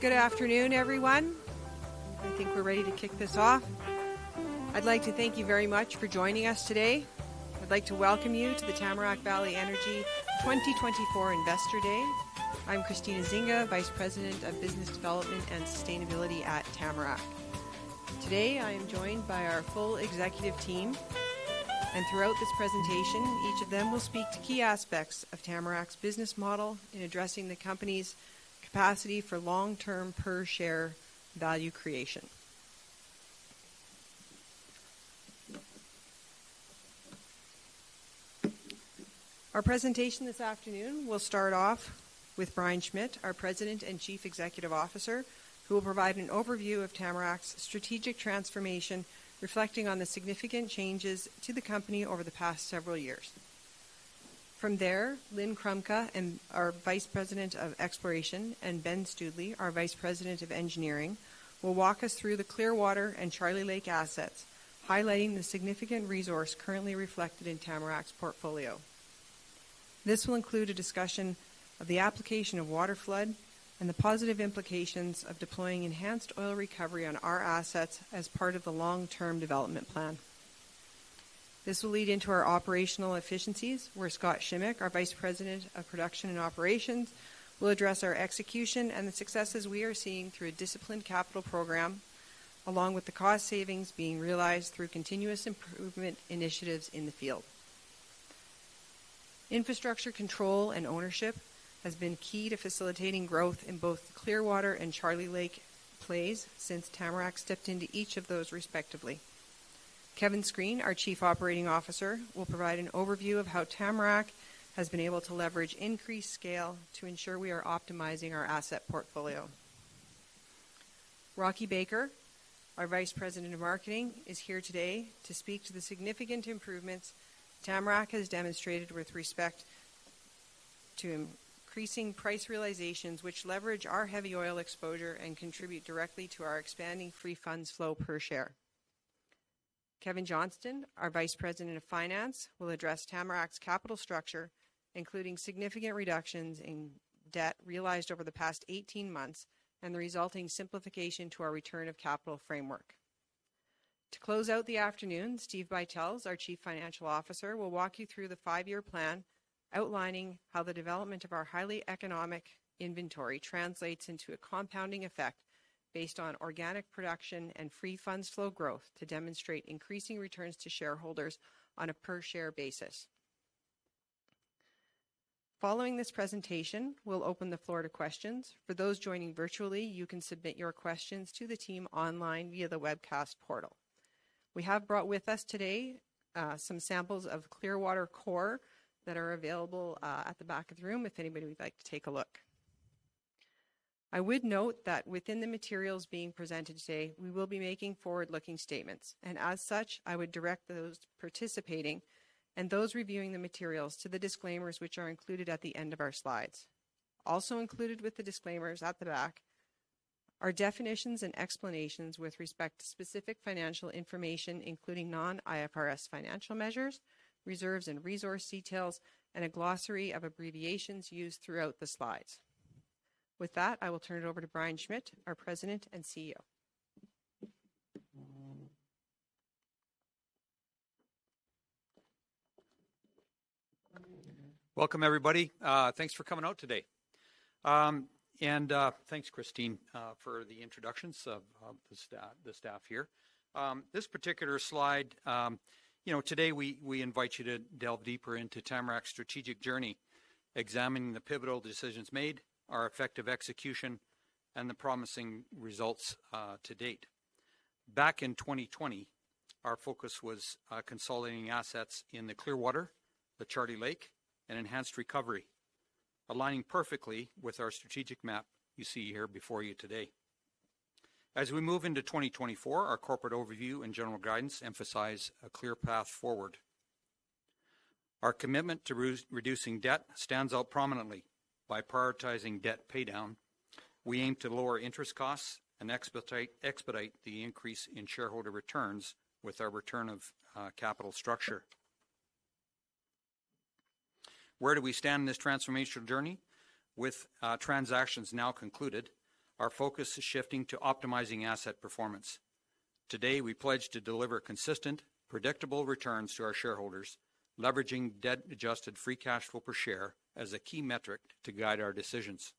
Good afternoon, everyone. I think we're ready to kick this off. I'd like to thank you very much for joining us today. I'd like to welcome you to the Tamarack Valley Energy 2024 Investor Day. I'm Christine Ezinga, Vice President of Business Development and Sustainability at Tamarack Valley Energy. Today, I am joined by our full executive team, and throughout this presentation, each of them will speak to key aspects of Tamarack's business model in addressing the company's capacity for long-term per-share value creation. Our presentation this afternoon will start off with Brian Schmidt, our President and Chief Executive Officer, who will provide an overview of Tamarack's strategic transformation, reflecting on the significant changes to the company over the past several years. From there, Lynne Chrumka, our Vice President of Exploration, and Ben Stoodley, our Vice President of Engineering, will walk us through the Clearwater and Charlie Lake assets, highlighting the significant resource currently reflected in Tamarack's portfolio. This will include a discussion of the application of waterflood and the positive implications of deploying enhanced oil recovery on our assets as part of the long-term development plan. This will lead into our operational efficiencies, where Scott Shimek, our Vice President of Production and Operations, will address our execution and the successes we are seeing through a disciplined capital program, along with the cost savings being realized through continuous improvement initiatives in the field. Infrastructure control and ownership has been key to facilitating growth in both the Clearwater and Charlie Lake plays since Tamarack Valley Energy stepped into each of those, respectively. Kevin Screen, our Chief Operating Officer, will provide an overview of how Tamarack Valley Energy has been able to leverage increased scale to ensure we are optimizing our asset portfolio. Rocky Baker, our Vice President of Marketing, is here today to speak to the significant improvements Tamarack Valley Energy has demonstrated with respect to increasing price realizations, which leverage our heavy oil exposure and contribute directly to our expanding free funds flow per share. Kevin Johnston, our Vice President of Finance, will address Tamarack's capital structure, including significant reductions in debt realized over the past 18 months and the resulting simplification to our return of capital framework. To close out the afternoon, Steve Buytels, our Chief Financial Officer, will walk you through the five-year plan, outlining how the development of our highly economic inventory translates into a compounding effect based on organic production and free funds flow growth to demonstrate increasing returns to shareholders on a per-share basis. Following this presentation, we'll open the floor to questions. For those joining virtually, you can submit your questions to the team online via the webcast portal. We have brought with us today some samples of Clearwater core that are available at the back of the room if anybody would like to take a look. I would note that within the materials being presented today, we will be making forward-looking statements, and as such, I would direct those participating and those reviewing the materials to the disclaimers, which are included at the end of our slides. Also included with the disclaimers at the back are definitions and explanations with respect to specific financial information, including non-IFRS financial measures, reserves and resource details, and a glossary of abbreviations used throughout the slides. With that, I will turn it over to Brian Schmidt, our President and CEO. Welcome, everybody. Thanks for coming out today. Thanks, Christine, for the introductions of the staff here. This particular slide, you know, today we invite you to delve deeper into Tamarack's strategic journey, examining the pivotal decisions made, our effective execution, and the promising results to date. Back in 2020, our focus was consolidating assets in the Clearwater, the Charlie Lake, and enhanced recovery, aligning perfectly with our strategic map you see here before you today. As we move into 2024, our corporate overview and general guidance emphasize a clear path forward. Our commitment to reducing debt stands out prominently by prioritizing debt paydown. We aim to lower interest costs and expedite the increase in shareholder returns with our return of capital structure. Where do we stand in this transformational journey? With transactions now concluded, our focus is shifting to optimizing asset performance. Today, we pledge to deliver consistent, predictable returns to our shareholders, leveraging debt-adjusted free cash flow per share as a key metric to guide our decisions.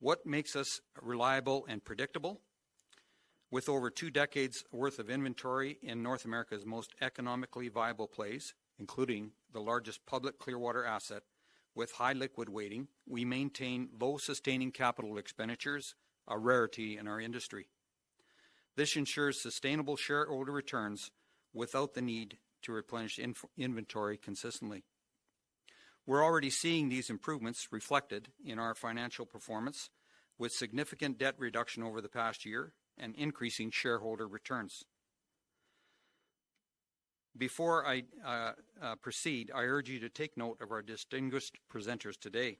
What makes us reliable and predictable? With over 2 decades' worth of inventory in North America's most economically viable plays, including the largest public Clearwater asset with high liquid weighting, we maintain low sustaining capital expenditures, a rarity in our industry. This ensures sustainable shareholder returns without the need to replenish inventory consistently. We're already seeing these improvements reflected in our financial performance, with significant debt reduction over the past year and increasing shareholder returns. Before I proceed, I urge you to take note of our distinguished presenters today.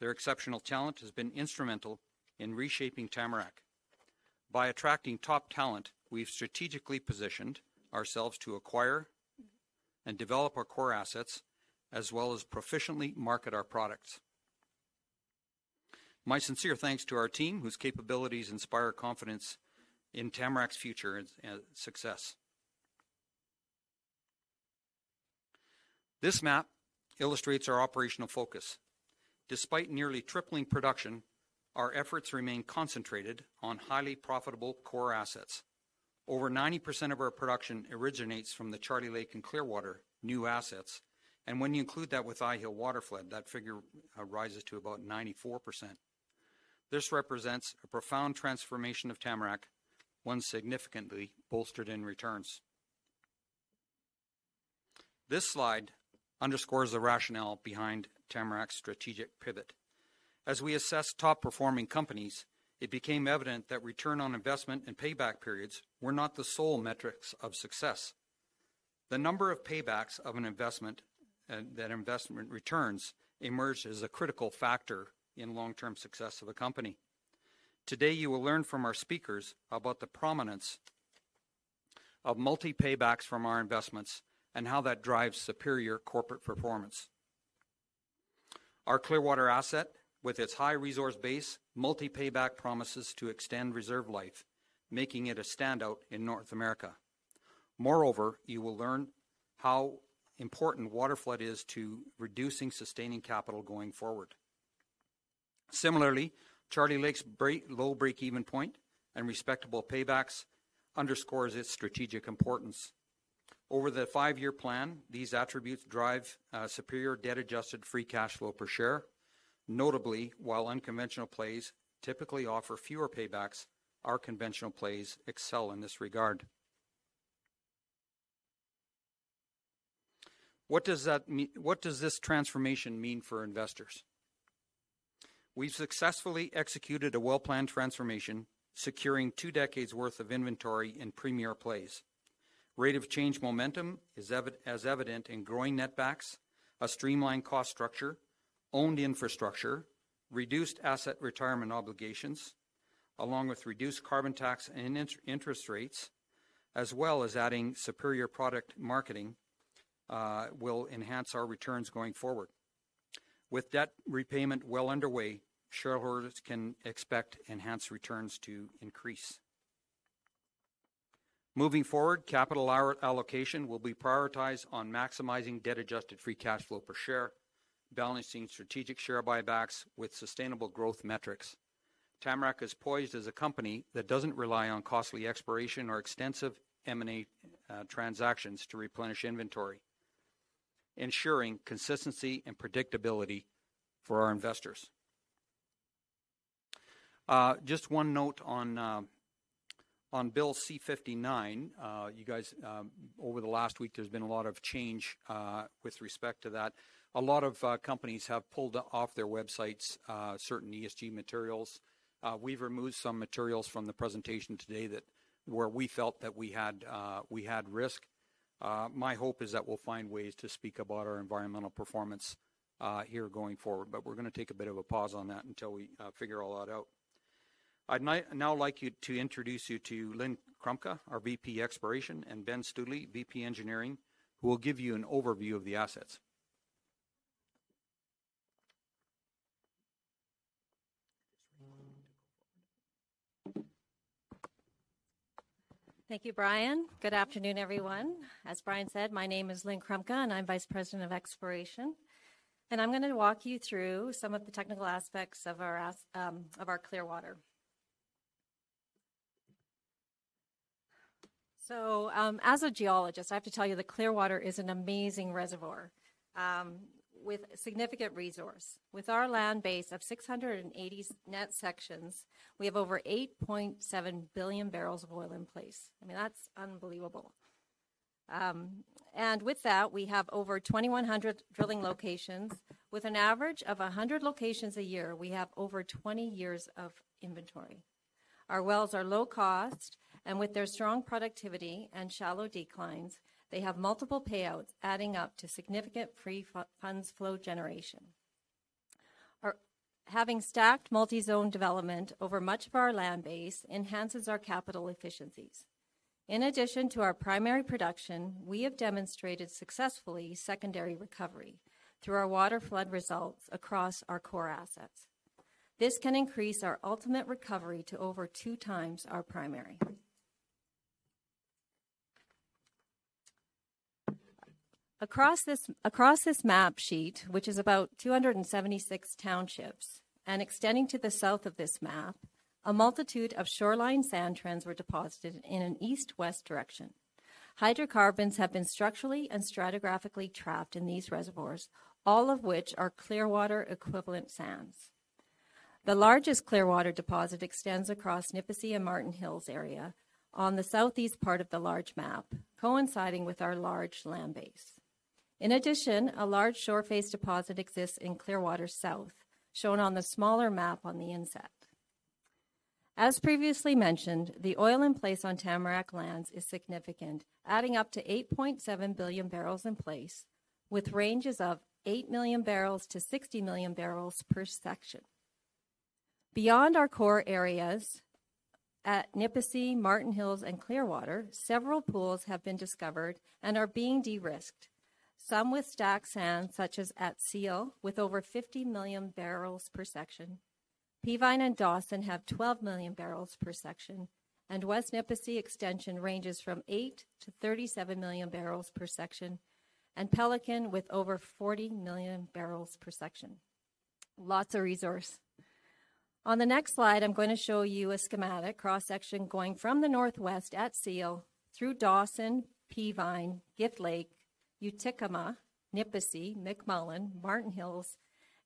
Their exceptional talent has been instrumental in reshaping Tamarack. By attracting top talent, we've strategically positioned ourselves to acquire and develop our core assets, as well as proficiently market our products. My sincere thanks to our team, whose capabilities inspire confidence in Tamarack's future success. This map illustrates our operational focus. Despite nearly tripling production, our efforts remain concentrated on highly profitable core assets. Over 90% of our production originates from the Charlie Lake and Clearwater new assets, and when you include that with Eyehill waterflood, that figure rises to about 94%. This represents a profound transformation of Tamarack, once significantly bolstered in returns. This slide underscores the rationale behind Tamarack's strategic pivot. As we assess top-performing companies, it became evident that return on investment and payback periods were not the sole metrics of success. The number of paybacks of an investment that investment returns emerged as a critical factor in long-term success of a company. Today, you will learn from our speakers about the prominence of multi-paybacks from our investments and how that drives superior corporate performance. Our Clearwater asset, with its high resource base, multi-payback promises to extend reserve life, making it a standout in North America. Moreover, you will learn how important waterflood is to reducing sustaining capital going forward. Similarly, Charlie Lake's low break-even point and respectable paybacks underscore its strategic importance. Over the five-year plan, these attributes drive superior debt-adjusted free cash flow per share. Notably, while unconventional plays typically offer fewer paybacks, our conventional plays excel in this regard. What does this transformation mean for investors? We've successfully executed a well-planned transformation, securing two decades' worth of inventory in premier plays. Rate of change momentum is as evident in growing netbacks, a streamlined cost structure, owned infrastructure, reduced asset retirement obligations, along with reduced carbon tax and interest rates, as well as adding superior product marketing will enhance our returns going forward. With debt repayment well underway, shareholders can expect enhanced returns to increase. Moving forward, capital allocation will be prioritized on maximizing debt-adjusted free cash flow per share, balancing strategic share buybacks with sustainable growth metrics. Tamarack is poised as a company that doesn't rely on costly exploration or extensive M&A transactions to replenish inventory, ensuring consistency and predictability for our investors. Just one note on Bill C-59. You guys, over the last week, there's been a lot of change with respect to that. A lot of companies have pulled from their websites certain ESG materials. We've removed some materials from the presentation today where we felt that we had risk. My hope is that we'll find ways to speak about our environmental performance here going forward, but we're going to take a bit of a pause on that until we figure all that out. I'd now like to introduce you to Lynne Chrumka, our VP Exploration, and Ben Stoodley, VP Engineering, who will give you an overview of the assets. Thank you, Brian Schmidt. Good afternoon, everyone. As Brian Schmidt said, my name is Lynne Chrumka, and I'm Vice President of Exploration. I'm going to walk you through some of the technical aspects of our Clearwater. So, as a geologist, I have to tell you the Clearwater is an amazing reservoir with significant resources. With our land base of 680 net sections, we have over 8.7 billion barrels of oil in place. I mean, that's unbelievable. And with that, we have over 2,100 drilling locations. With an average of 100 locations a year, we have over 20 years of inventory. Our wells are low cost, and with their strong productivity and shallow declines, they have multiple payouts adding up to significant free funds flow generation. Having stacked multi-zone development over much of our land base enhances our capital efficiencies. In addition to our primary production, we have demonstrated successfully secondary recovery through our waterflood results across our core assets. This can increase our ultimate recovery to over two times our primary. Across this map sheet, which is about 276 townships and extending to the south of this map, a multitude of shoreline sand trends were deposited in an east-west direction. Hydrocarbons have been structurally and stratigraphically trapped in these reservoirs, all of which are Clearwater equivalent sands. The largest Clearwater deposit extends across Nipisi and Marten Hills area on the southeast part of the large map, coinciding with our large land base. In addition, a large shoreface deposit exists in Clearwater South, shown on the smaller map on the inset. As previously mentioned, the oil in place on Tamarack lands is significant, adding up to 8.7 billion barrels in place, with ranges of 8-60 million barrels per section. Beyond our core areas at Nipisi, Marten Hills, and Clearwater, several pools have been discovered and are being de-risked, some with stacked sand such as at Seal, with over 50 million barrels per section. Peavine and Dawson have 12 million barrels per section, and West Nipisi extension ranges from 8-37 million barrels per section, and Pelican with over 40 million barrels per section. Lots of resource. On the next slide, I'm going to show you a schematic cross-section going from the northwest at Seal through Dawson, Peavine, Gift Lake, Utikuma, Nipisi, McMullen, Marten Hills,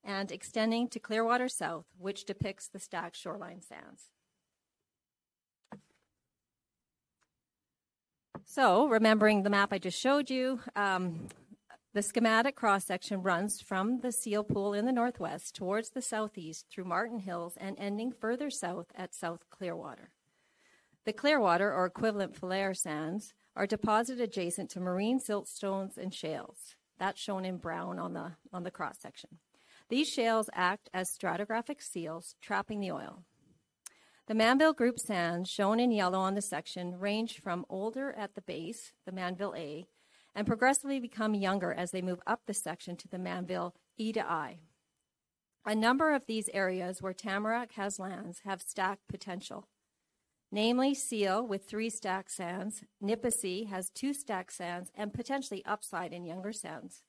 and extending to South Clearwater, which depicts the stacked shoreline sands. So, remembering the map I just showed you, the schematic cross-section runs from the Seal pool in the northwest towards the southeast through Marten Hills and ending further south at South Clearwater. The Clearwater, or equivalent fluvial sands, are deposited adjacent to marine siltstones and shales. That's shown in brown on the cross-section. These shales act as stratigraphic seals, trapping the oil. The Mannville Group sands, shown in yellow on the section, range from older at the base, the Mannville A, and progressively become younger as they move up the section to the Mannville E to I. A number of these areas where Tamarack has lands have stacked potential. Namely, Seal with three stacked sands, Nipisi has two stacked sands, and potentially upside in younger sands,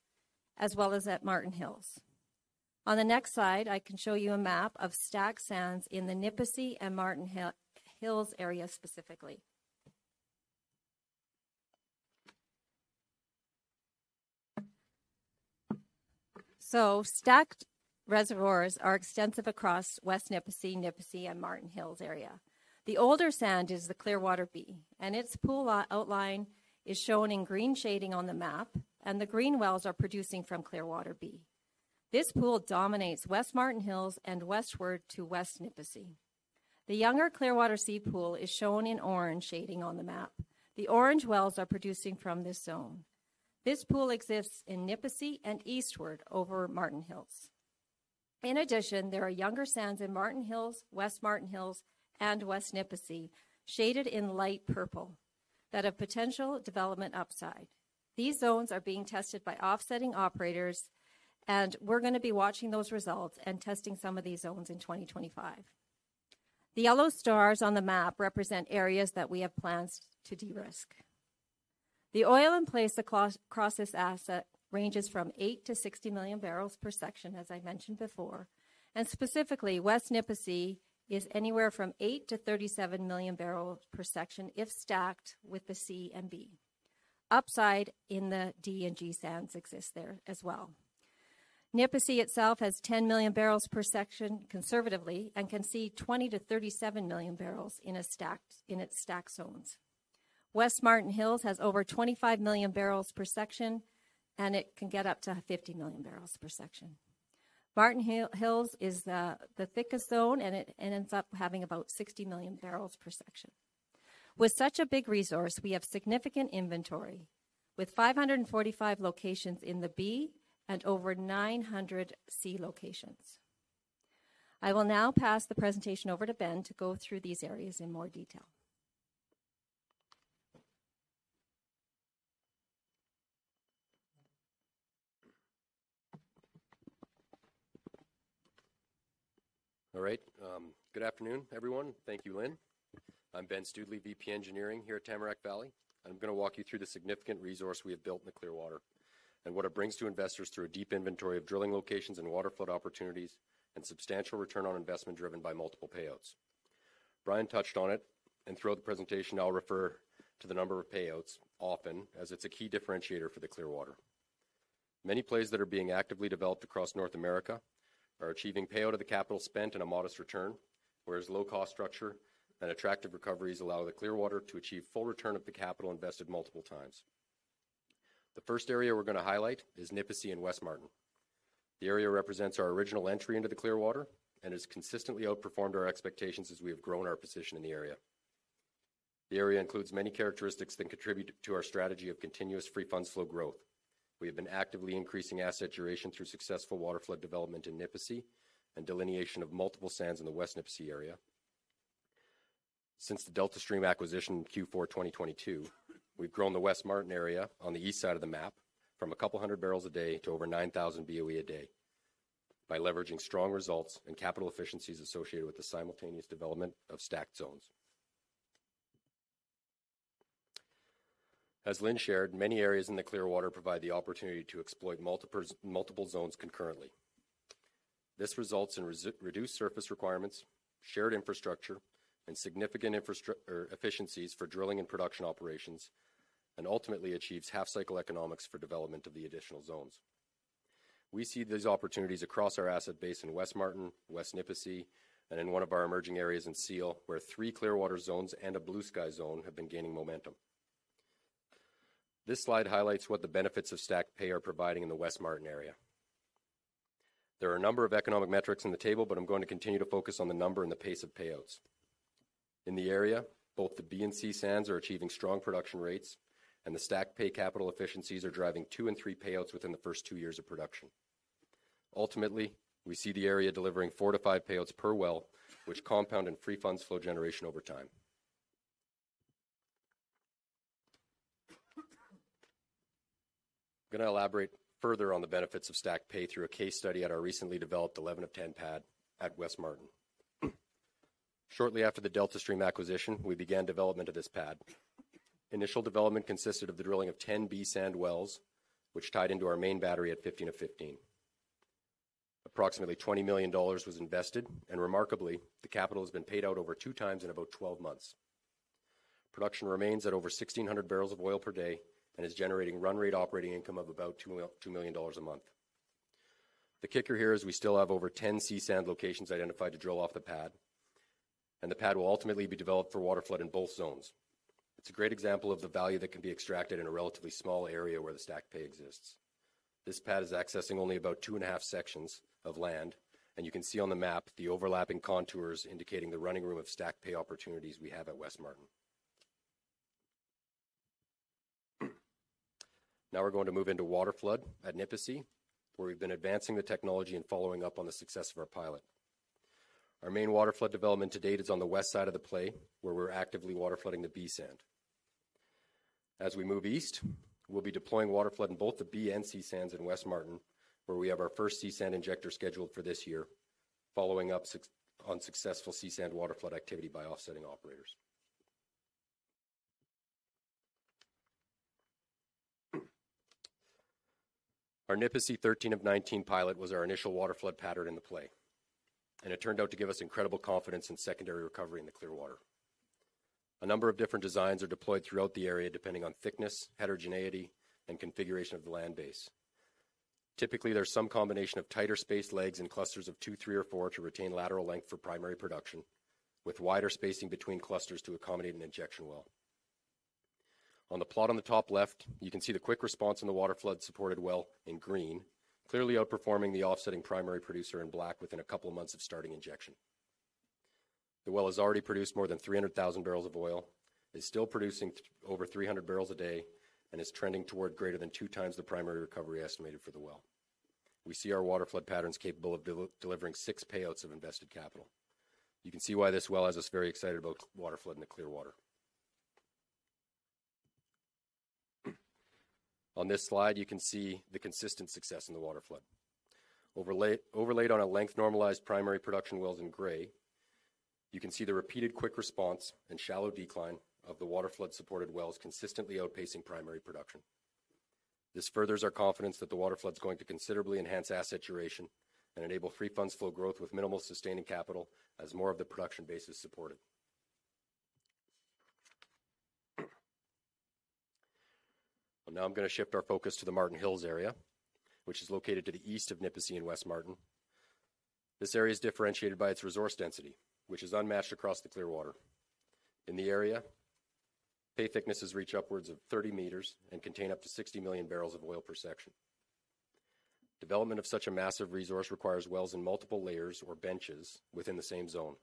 as well as at Marten Hills. On the next slide, I can show you a map of stacked sands in the Nipisi and Marten Hills area specifically. So, stacked reservoirs are extensive across West Nipisi, Nipisi, and Marten Hills area. The older sand is the Clearwater B, and its pool outline is shown in green shading on the map, and the green wells are producing from Clearwater B. This pool dominates West Marten Hills and westward to West Nipisi. The younger Clearwater C pool is shown in orange shading on the map. The orange wells are producing from this zone. This pool exists in Nipisi and eastward over Marten Hills. In addition, there are younger sands in Marten Hills, West Marten Hills, and West Nipisi shaded in light purple that have potential development upside. These zones are being tested by offsetting operators, and we're going to be watching those results and testing some of these zones in 2025. The yellow stars on the map represent areas that we have plans to de-risk. The oil in place across this asset ranges from 8-60 million barrels per section, as I mentioned before. And specifically, West Nipisi is anywhere from 8-37 million barrels per section if stacked with the C and B. Upside in the D and G sands exists there as well. Nipisi itself has 10 million barrels per section conservatively and can see 20-37 million barrels in its stacked zones. West Marten Hills has over 25 million barrels per section, and it can get up to 50 million barrels per section. Marten Hills is the thickest zone, and it ends up having about 60 million barrels per section. With such a big resource, we have significant inventory with 545 locations in the B and over 900 C locations. I will now pass the presentation over to Ben Stoodley to go through these areas in more detail. All right. Good afternoon, everyone. Thank you, Lynne Chrumka. I'm Ben Stoodley, VP Engineering here at Tamarack Valley. I'm going to walk you through the significant resource we have built in the Clearwater and what it brings to investors through a deep inventory of drilling locations and waterflood opportunities and substantial return on investment driven by multiple payouts. Brian Schmidt touched on it, and throughout the presentation, I'll refer to the number of payouts often, as it's a key differentiator for the Clearwater. Many plays that are being actively developed across North America are achieving payout of the capital spent and a modest return, whereas low-cost structure and attractive recoveries allow the Clearwater to achieve full return of the capital invested multiple times. The first area we're going to highlight is Nipisi and West Marten. The area represents our original entry into the Clearwater and has consistently outperformed our expectations as we have grown our position in the area. The area includes many characteristics that contribute to our strategy of continuous free funds flow growth. We have been actively increasing asset duration through successful waterflood development in Nipisi and delineation of multiple sands in the West Nipisi area. Since the Delta Stream acquisition in Q4 2022, we've grown the West Marten area on the east side of the map from 200 barrels a day to over 9,000 BOE a day by leveraging strong results and capital efficiencies associated with the simultaneous development of stacked zones. As Lynne Chrumka shared, many areas in the Clearwater provide the opportunity to exploit multiple zones concurrently. This results in reduced surface requirements, shared infrastructure, and significant efficiencies for drilling and production operations, and ultimately achieves half-cycle economics for development of the additional zones. We see these opportunities across our asset base in West Marten, West Nipisi, and in one of our emerging areas in Seal, where three Clearwater zones and a Bluesky zone have been gaining momentum. This slide highlights what the benefits of stacked pay are providing in the West Marten area. There are a number of economic metrics in the table, but I'm going to continue to focus on the number and the pace of payouts. In the area, both the B and C sands are achieving strong production rates, and the stacked pay capital efficiencies are driving two and three payouts within the first two years of production. Ultimately, we see the area delivering 4-5 payouts per well, which compound in free funds flow generation over time. I'm going to elaborate further on the benefits of stacked pay through a case study at our recently developed 11-10 pad at West Marten. Shortly after the Delta Stream acquisition, we began development of this pad. Initial development consisted of the drilling of 10 B sand wells, which tied into our main battery at 15-15. Approximately 20 million dollars was invested, and remarkably, the capital has been paid out over two times in about 12 months. Production remains at over 1,600 barrels of oil per day and is generating run rate operating income of about 2 million dollars a month. The kicker here is we still have over 10 C sand locations identified to drill off the pad, and the pad will ultimately be developed for waterflood in both zones. It's a great example of the value that can be extracted in a relatively small area where the stacked pay exists. This pad is accessing only about 2.5 sections of land, and you can see on the map the overlapping contours indicating the running room of stacked pay opportunities we have at west Marten Hills. Now we're going to move into waterflood at Nipisi, where we've been advancing the technology and following up on the success of our pilot. Our main waterflood development to date is on the west side of the play, where we're actively waterflooding the B sand. As we move east, we'll be deploying waterflood in both the B and C sands in West Marten, where we have our first C sand injector scheduled for this year, following up on successful C sand waterflood activity by offsetting operators. Our Nipisi 13-19 pilot was our initial waterflood pattern in the play, and it turned out to give us incredible confidence in secondary recovery in the Clearwater. A number of different designs are deployed throughout the area depending on thickness, heterogeneity, and configuration of the land base. Typically, there's some combination of tighter spaced legs in clusters of two, three, or four to retain lateral length for primary production, with wider spacing between clusters to accommodate an injection well. On the plot on the top left, you can see the quick response in the waterflood supported well in green, clearly outperforming the offsetting primary producer in black within a couple months of starting injection. The well has already produced more than 300,000 barrels of oil, is still producing over 300 barrels a day, and is trending toward greater than 2x the primary recovery estimated for the well. We see our waterflood patterns capable of delivering 6 payouts of invested capital. You can see why this well has us very excited about waterflood in the Clearwater. On this slide, you can see the consistent success in the waterflood. Overlaid on a length normalized primary production wells in gray, you can see the repeated quick response and shallow decline of the waterflood supported wells consistently outpacing primary production. This furthers our confidence that the waterflood's going to considerably enhance asset duration and enable free funds flow growth with minimal sustaining capital as more of the production base is supported. Now I'm going to shift our focus to the Marten Hills area, which is located to the east of Nipisi and West Marten. This area is differentiated by its resource density, which is unmatched across the Clearwater. In the area, pay thicknesses reach upwards of 30 meters and contain up to 60 million barrels of oil per section. Development of such a massive resource requires wells in multiple layers or benches within the same zone.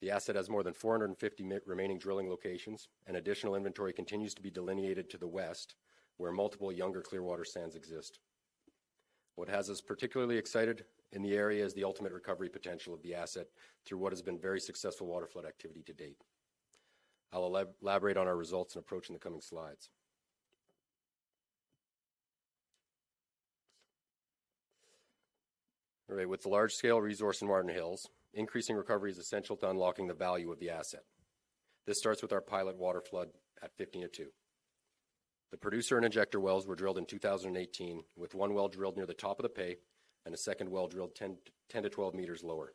The asset has more than 450 remaining drilling locations, and additional inventory continues to be delineated to the west, where multiple younger Clearwater sands exist. What has us particularly excited in the area is the ultimate recovery potential of the asset through what has been very successful waterflood activity to date. I'll elaborate on our results and approach in the coming slides. All right. With the large-scale resource in Marten Hills, increasing recovery is essential to unlocking the value of the asset. This starts with our pilot waterflood at 15-02. The producer and injector wells were drilled in 2018, with one well drilled near the top of the pay and a second well drilled 10-12 meters lower.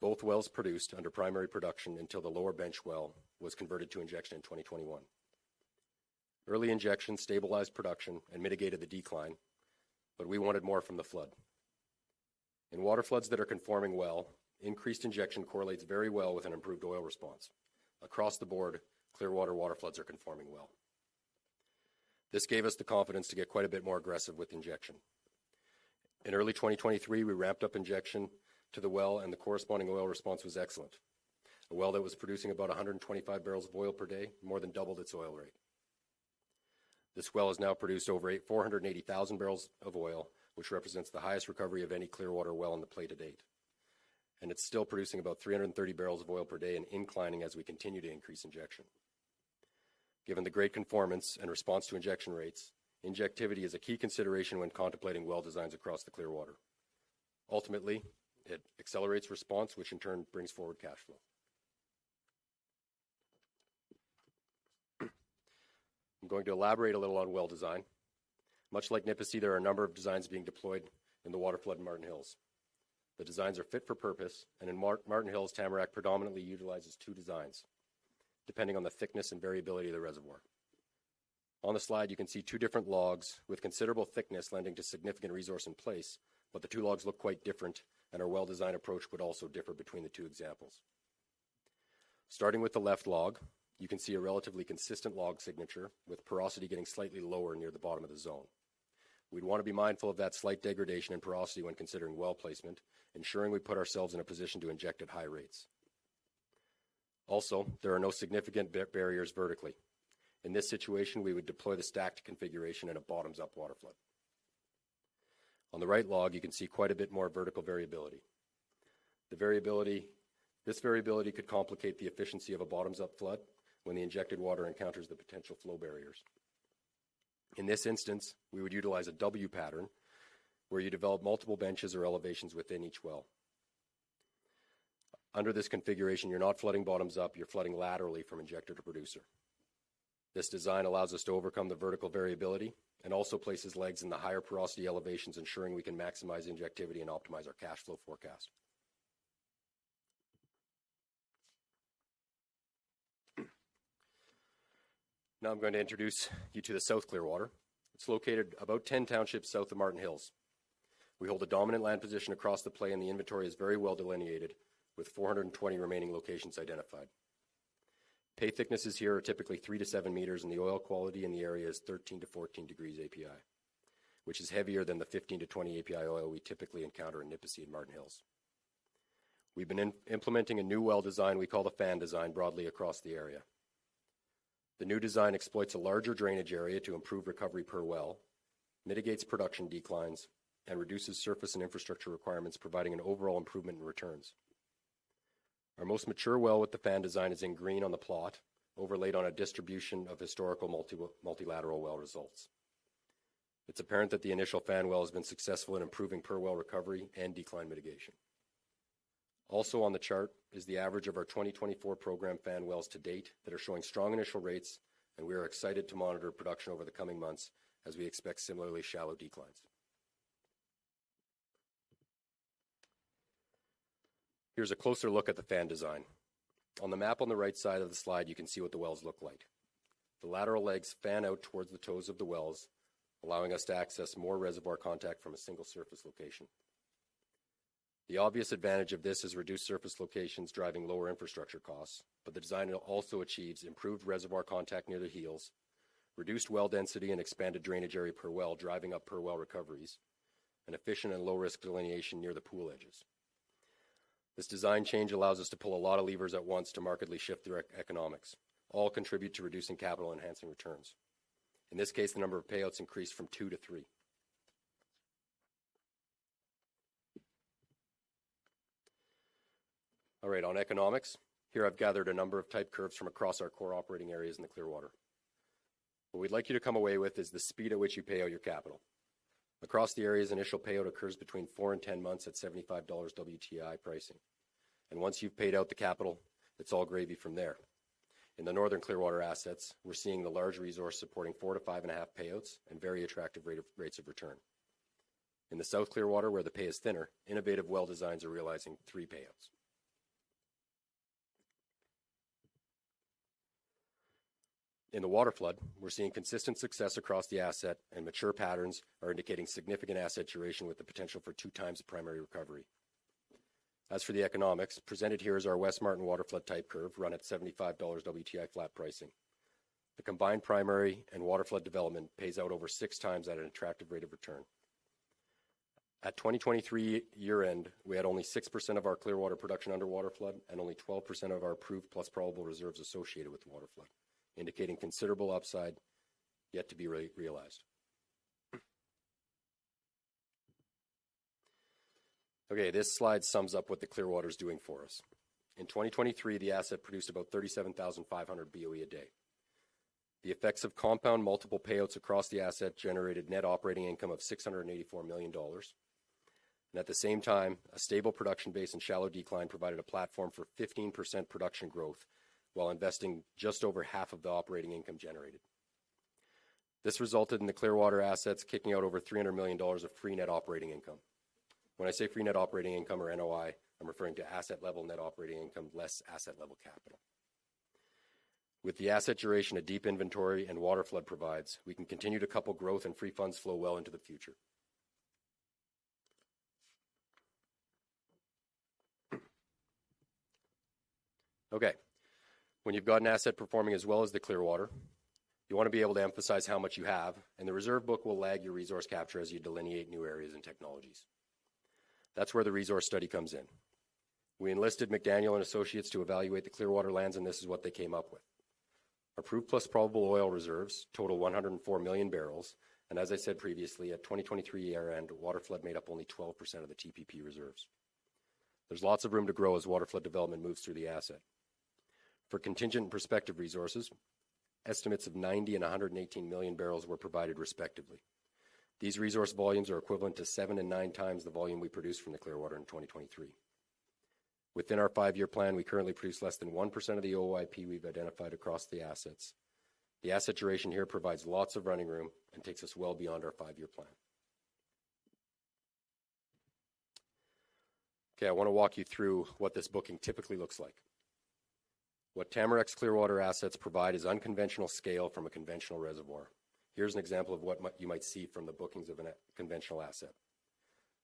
Both wells produced under primary production until the lower bench well was converted to injection in 2021. Early injection stabilized production and mitigated the decline, but we wanted more from the flood. In waterfloods that are conforming well, increased injection correlates very well with an improved oil response. Across the board, Clearwater waterfloods are conforming well. This gave us the confidence to get quite a bit more aggressive with injection. In early 2023, we ramped up injection to the well, and the corresponding oil response was excellent. A well that was producing about 125 barrels of oil per day more than doubled its oil rate. This well is now produced over 480,000 barrels of oil, which represents the highest recovery of any Clearwater well in the play to date. And it's still producing about 330 barrels of oil per day and inclining as we continue to increase injection. Given the great conformance and response to injection rates, injectivity is a key consideration when contemplating well designs across the Clearwater. Ultimately, it accelerates response, which in turn brings forward cash flow. I'm going to elaborate a little on well design. Much like Nipisi, there are a number of designs being deployed in the waterflood in Marten Hills. The designs are fit for purpose, and in Marten Hills, Tamarack predominantly utilizes two designs depending on the thickness and variability of the reservoir. On the slide, you can see two different logs with considerable thickness lending to significant resource in place, but the two logs look quite different, and our well design approach would also differ between the two examples. Starting with the left log, you can see a relatively consistent log signature with porosity getting slightly lower near the bottom of the zone. We'd want to be mindful of that slight degradation in porosity when considering well placement, ensuring we put ourselves in a position to inject at high rates. Also, there are no significant barriers vertically. In this situation, we would deploy the stacked configuration in a bottoms-up waterflood. On the right log, you can see quite a bit more vertical variability. This variability could complicate the efficiency of a bottoms-up flood when the injected water encounters the potential flow barriers. In this instance, we would utilize a W-pattern where you develop multiple benches or elevations within each well. Under this configuration, you're not flooding bottoms-up; you're flooding laterally from injector to producer. This design allows us to overcome the vertical variability and also places legs in the higher porosity elevations, ensuring we can maximize injectivity and optimize our cash flow forecast. Now I'm going to introduce you to the South Clearwater. It's located about 10 townships south of Marten Hills. We hold a dominant land position across the play, and the inventory is very well delineated with 420 remaining locations identified. Pay thicknesses here are typically 3-7 meters, and the oil quality in the area is 13-14 degrees API, which is heavier than the 15-20 API oil we typically encounter in Nipisi and Marten Hills. We've been implementing a new well design we call the fan design broadly across the area. The new design exploits a larger drainage area to improve recovery per well, mitigates production declines, and reduces surface and infrastructure requirements, providing an overall improvement in returns. Our most mature well with the fan design is in green on the plot, overlaid on a distribution of historical multilateral well results. It's apparent that the initial fan well has been successful in improving per well recovery and decline mitigation. Also on the chart is the average of our 2024 program fan wells to date that are showing strong initial rates, and we are excited to monitor production over the coming months as we expect similarly shallow declines. Here's a closer look at the fan design. On the map on the right side of the slide, you can see what the wells look like. The lateral legs fan out towards the toes of the wells, allowing us to access more reservoir contact from a single surface location. The obvious advantage of this is reduced surface locations driving lower infrastructure costs, but the design also achieves improved reservoir contact near the heels, reduced well density, and expanded drainage area per well, driving up per well recoveries, and efficient and low-risk delineation near the pool edges. This design change allows us to pull a lot of levers at once to markedly shift the economics. All contribute to reducing capital, enhancing returns. In this case, the number of payouts increased from 2 to 3. All right. On economics, here I've gathered a number of type curves from across our core operating areas in the Clearwater. What we'd like you to come away with is the speed at which you pay out your capital. Across the areas, initial payout occurs between 4 and 10 months at $75 WTI pricing. And once you've paid out the capital, it's all gravy from there. In the northern Clearwater assets, we're seeing the large resource supporting 4 to 5.5 payouts and very attractive rates of return. In the South Clearwater, where the pay is thinner, innovative well designs are realizing 3 payouts. In the waterflood, we're seeing consistent success across the asset, and mature patterns are indicating significant asset duration with the potential for two times the primary recovery. As for the economics, presented here is our West Marten waterflood type curve run at $75 WTI flat pricing. The combined primary and waterflood development pays out over six times at an attractive rate of return. At 2023 year-end, we had only 6% of our Clearwater production under waterflood and only 12% of our proved plus probable reserves associated with waterflood, indicating considerable upside yet to be realized. Okay. This slide sums up what the Clearwater is doing for us. In 2023, the asset produced about 37,500 BOE a day. The effects of compound multiple payouts across the asset generated net operating income of 684 million dollars. At the same time, a stable production base and shallow decline provided a platform for 15% production growth while investing just over half of the operating income generated. This resulted in the Clearwater assets kicking out over 300 million dollars of free net operating income. When I say free net operating income or NOI, I'm referring to asset-level net operating income less asset-level capital. With the asset duration of deep inventory and waterflood provides, we can continue to couple growth and free funds flow well into the future. Okay. When you've got an asset performing as well as the Clearwater, you want to be able to emphasize how much you have, and the reserve book will lag your resource capture as you delineate new areas and technologies. That's where the resource study comes in. We enlisted McDaniel & Associates to evaluate the Clearwater lands, and this is what they came up with. Proved plus probable oil reserves total 104 million barrels, and as I said previously, at 2023 year-end, waterflood made up only 12% of the TPP reserves. There's lots of room to grow as waterflood development moves through the asset. For contingent and prospective resources, estimates of 90 and 118 million barrels were provided respectively. These resource volumes are equivalent to seven and nine times the volume we produced from the Clearwater in 2023. Within our five-year plan, we currently produce less than 1% of the OIP we've identified across the assets. The asset duration here provides lots of running room and takes us well beyond our five-year plan. Okay. I want to walk you through what this booking typically looks like. What Tamarack's Clearwater assets provide is unconventional scale from a conventional reservoir. Here's an example of what you might see from the bookings of a conventional asset.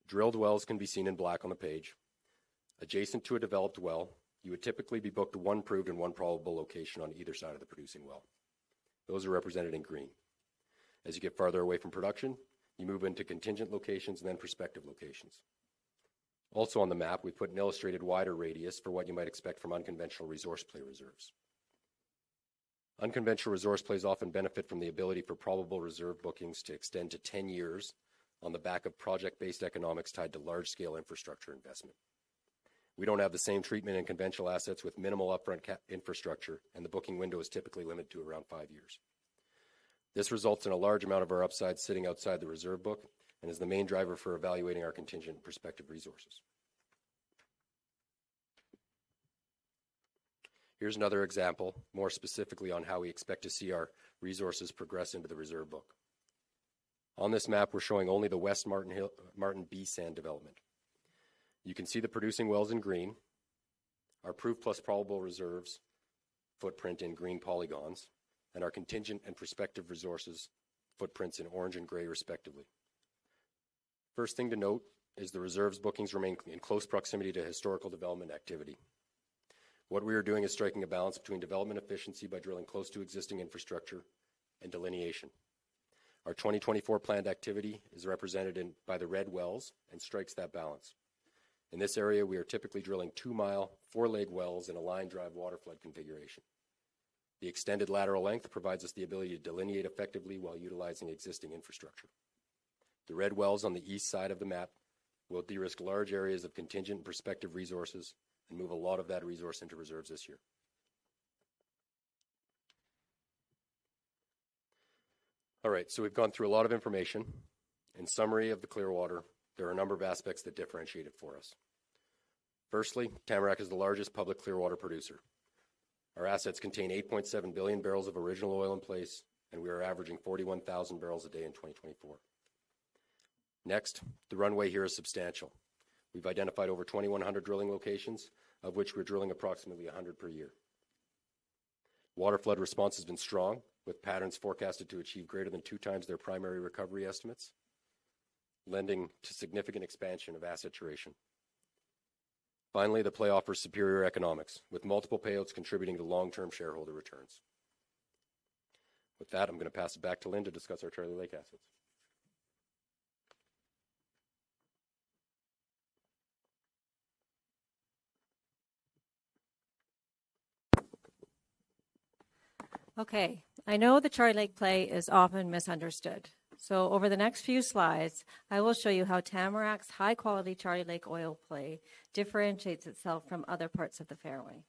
Drilled wells can be seen in black on the page. Adjacent to a developed well, you would typically be booked one proved and one probable location on either side of the producing well. Those are represented in green. As you get farther away from production, you move into contingent locations and then prospective locations. Also on the map, we've put an illustrated wider radius for what you might expect from unconventional resource play reserves. Unconventional resource plays often benefit from the ability for probable reserve bookings to extend to 10 years on the back of project-based economics tied to large-scale infrastructure investment. We don't have the same treatment in conventional assets with minimal upfront infrastructure, and the booking window is typically limited to around five years. This results in a large amount of our upside sitting outside the reserve book and is the main driver for evaluating our contingent and prospective resources. Here's another example, more specifically on how we expect to see our resources progress into the reserve book. On this map, we're showing only the West Marten B Sand development. You can see the producing wells in green, our proved plus probable reserves footprint in green polygons, and our contingent and prospective resources footprints in orange and gray respectively. First thing to note is the reserves bookings remain in close proximity to historical development activity. What we are doing is striking a balance between development efficiency by drilling close to existing infrastructure and delineation. Our 2024 planned activity is represented by the red wells and strides that balance. In this area, we are typically drilling 2-mile, 4-leg wells in a line-drive waterflood configuration. The extended lateral length provides us the ability to delineate effectively while utilizing existing infrastructure. The red wells on the east side of the map will de-risk large areas of contingent and prospective resources and move a lot of that resource into reserves this year. All right. So we've gone through a lot of information. In summary of the Clearwater, there are a number of aspects that differentiate it for us. Firstly, Tamarack is the largest public Clearwater producer. Our assets contain 8.7 billion barrels of original oil in place, and we are averaging 41,000 barrels a day in 2024. Next, the runway here is substantial. We've identified over 2,100 drilling locations, of which we're drilling approximately 100 per year. Waterflood response has been strong, with patterns forecasted to achieve greater than 2x their primary recovery estimates, lending to significant expansion of asset duration. Finally, the play offers superior economics, with multiple payouts contributing to long-term shareholder returns. With that, I'm going to pass it back to Lynne Chrumka to discuss our Charlie Lake assets. Okay. I know the Charlie Lake play is often misunderstood. So over the next few slides, I will show you how Tamarack's high-quality Charlie Lake oil play differentiates itself from other parts of the fairway.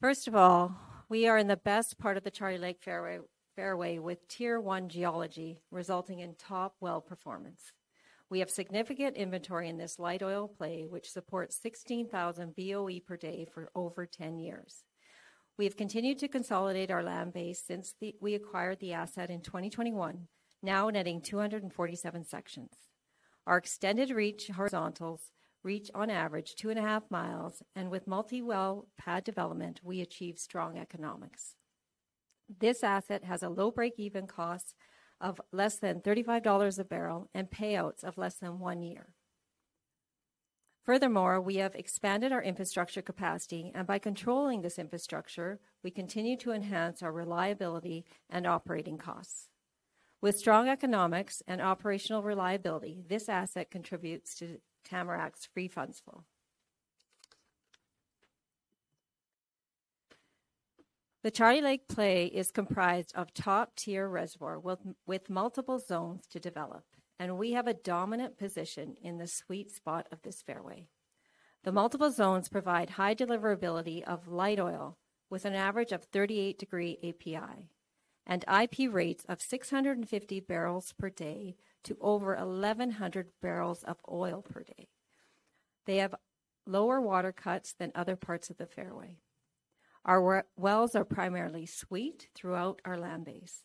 First of all, we are in the best part of the Charlie Lake fairway with tier one geology, resulting in top well performance. We have significant inventory in this light oil play, which supports 16,000 BOE per day for over 10 years. We have continued to consolidate our land base since we acquired the asset in 2021, now netting 247 sections. Our extended reach horizontals reach on average 2.5 miles, and with multi-well pad development, we achieve strong economics. This asset has a low break-even cost of less than $35 a barrel and payouts of less than 1 year. Furthermore, we have expanded our infrastructure capacity, and by controlling this infrastructure, we continue to enhance our reliability and operating costs. With strong economics and operational reliability, this asset contributes to Tamarack's free funds flow. The Charlie Lake play is comprised of top-tier reservoir with multiple zones to develop, and we have a dominant position in the sweet spot of this fairway. The multiple zones provide high deliverability of light oil with an average of 38° API and IP rates of 650 barrels per day to over 1,100 barrels of oil per day. They have lower water cuts than other parts of the fairway. Our wells are primarily sweet throughout our land base.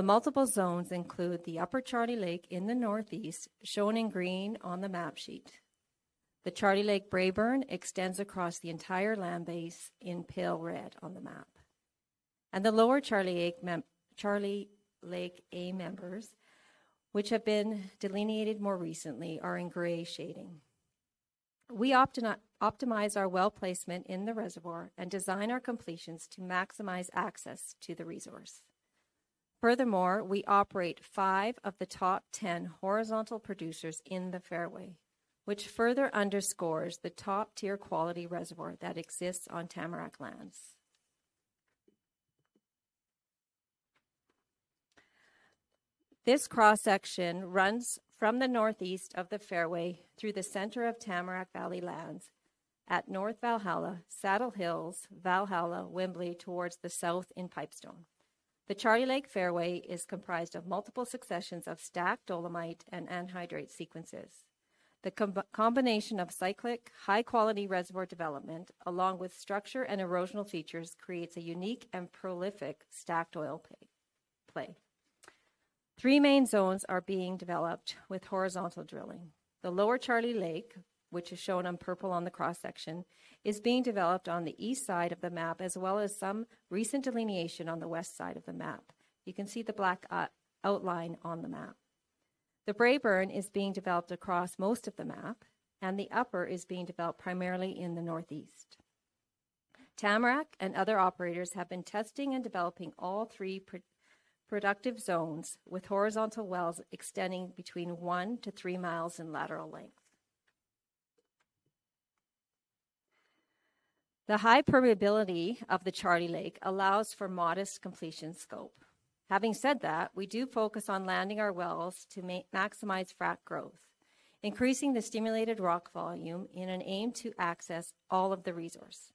The multiple zones include the Upper Charlie Lake in the northeast, shown in green on the map sheet. The Charlie Lake Braeburn extends across the entire land base in pale red on the map. The Lower Charlie Lake A members, which have been delineated more recently, are in gray shading. We optimize our well placement in the reservoir and design our completions to maximize access to the resource. Furthermore, we operate 5 of the top 10 horizontal producers in the fairway, which further underscores the top-tier quality reservoir that exists on Tamarack lands. This cross-section runs from the northeast of the fairway through the center of Tamarack Valley lands at North Valhalla, Saddle Hills, Valhalla, Wembley, towards the south in Pipestone. The Charlie Lake fairway is comprised of multiple successions of stacked dolomite and anhydrite sequences. The combination of cyclic high-quality reservoir development, along with structure and erosional features, creates a unique and prolific stacked oil play. 3 main zones are being developed with horizontal drilling. The Lower Charlie Lake, which is shown in purple on the cross-section, is being developed on the east side of the map, as well as some recent delineation on the west side of the map. You can see the black outline on the map. The Braeburn is being developed across most of the map, and the upper is being developed primarily in the northeast. Tamarack and other operators have been testing and developing all three productive zones with horizontal wells extending between 1-3 miles in lateral length. The high permeability of the Charlie Lake allows for modest completion scope. Having said that, we do focus on landing our wells to maximize frac growth, increasing the stimulated rock volume in an aim to access all of the resource.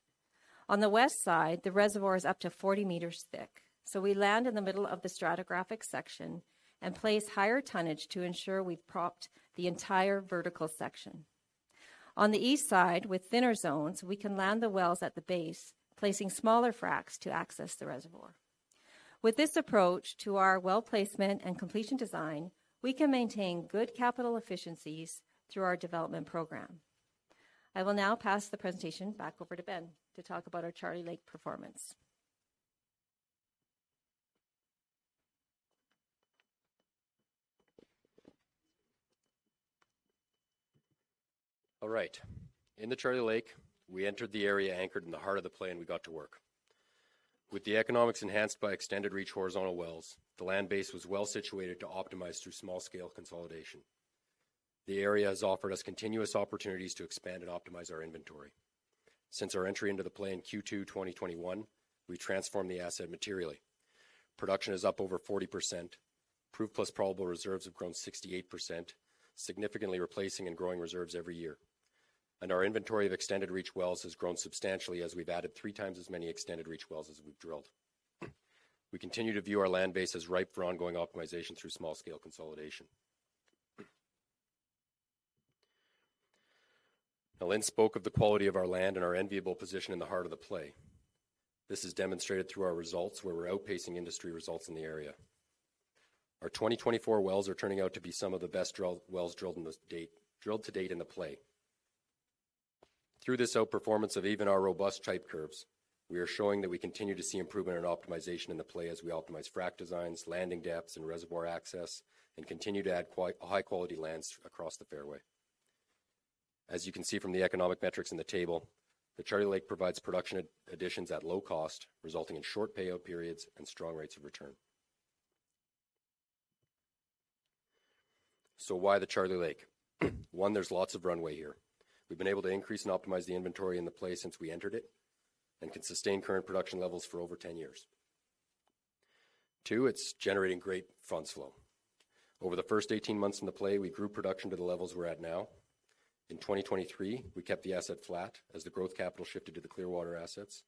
On the west side, the reservoir is up to 40 meters thick, so we land in the middle of the stratigraphic section and place higher tonnage to ensure we've propped the entire vertical section. On the east side, with thinner zones, we can land the wells at the base, placing smaller fracs to access the reservoir. With this approach to our well placement and completion design, we can maintain good capital efficiencies through our development program. I will now pass the presentation back over to Ben Stoodley to talk about our Charlie Lake performance. All right. In the Charlie Lake, we entered the area anchored in the heart of the play, and we got to work. With the economics enhanced by extended reach horizontal wells, the land base was well situated to optimize through small-scale consolidation. The area has offered us continuous opportunities to expand and optimize our inventory. Since our entry into the play Q2 2021, we transformed the asset materially. Production is up over 40%. Proved plus probable reserves have grown 68%, significantly replacing and growing reserves every year. And our inventory of extended reach wells has grown substantially as we've added three times as many extended reach wells as we've drilled. We continue to view our land base as ripe for ongoing optimization through small-scale consolidation. Now, Lynne Chrumka spoke of the quality of our land and our enviable position in the heart of the play. This is demonstrated through our results, where we're outpacing industry results in the area. Our 2024 wells are turning out to be some of the best wells drilled to date in the play. Through this outperformance of even our robust type curves, we are showing that we continue to see improvement and optimization in the play as we optimize frac designs, landing depths, and reservoir access, and continue to add high-quality lands across the fairway. As you can see from the economic metrics in the table, the Charlie Lake provides production additions at low cost, resulting in short payout periods and strong rates of return. So why the Charlie Lake? One, there's lots of runway here. We've been able to increase and optimize the inventory in the play since we entered it and can sustain current production levels for over 10 years. Two, it's generating great funds flow. Over the first 18 months in the play, we grew production to the levels we're at now. In 2023, we kept the asset flat as the growth capital shifted to the Clearwater assets.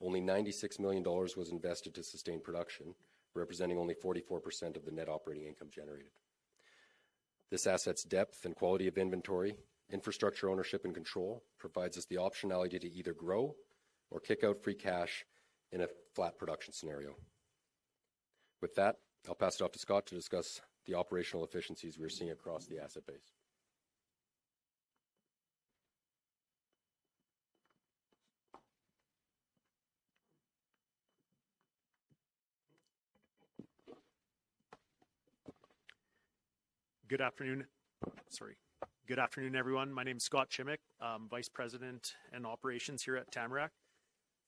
Only 96 million dollars was invested to sustain production, representing only 44% of the net operating income generated. This asset's depth and quality of inventory, infrastructure ownership, and control provides us the optionality to either grow or kick out free cash in a flat production scenario. With that, I'll pass it off to Scott Shimek to discuss the operational efficiencies we're seeing across the asset base. Good afternoon. Sorry. Good afternoon, everyone. My name is Scott Shimek, Vice President and Operations here at Tamarack.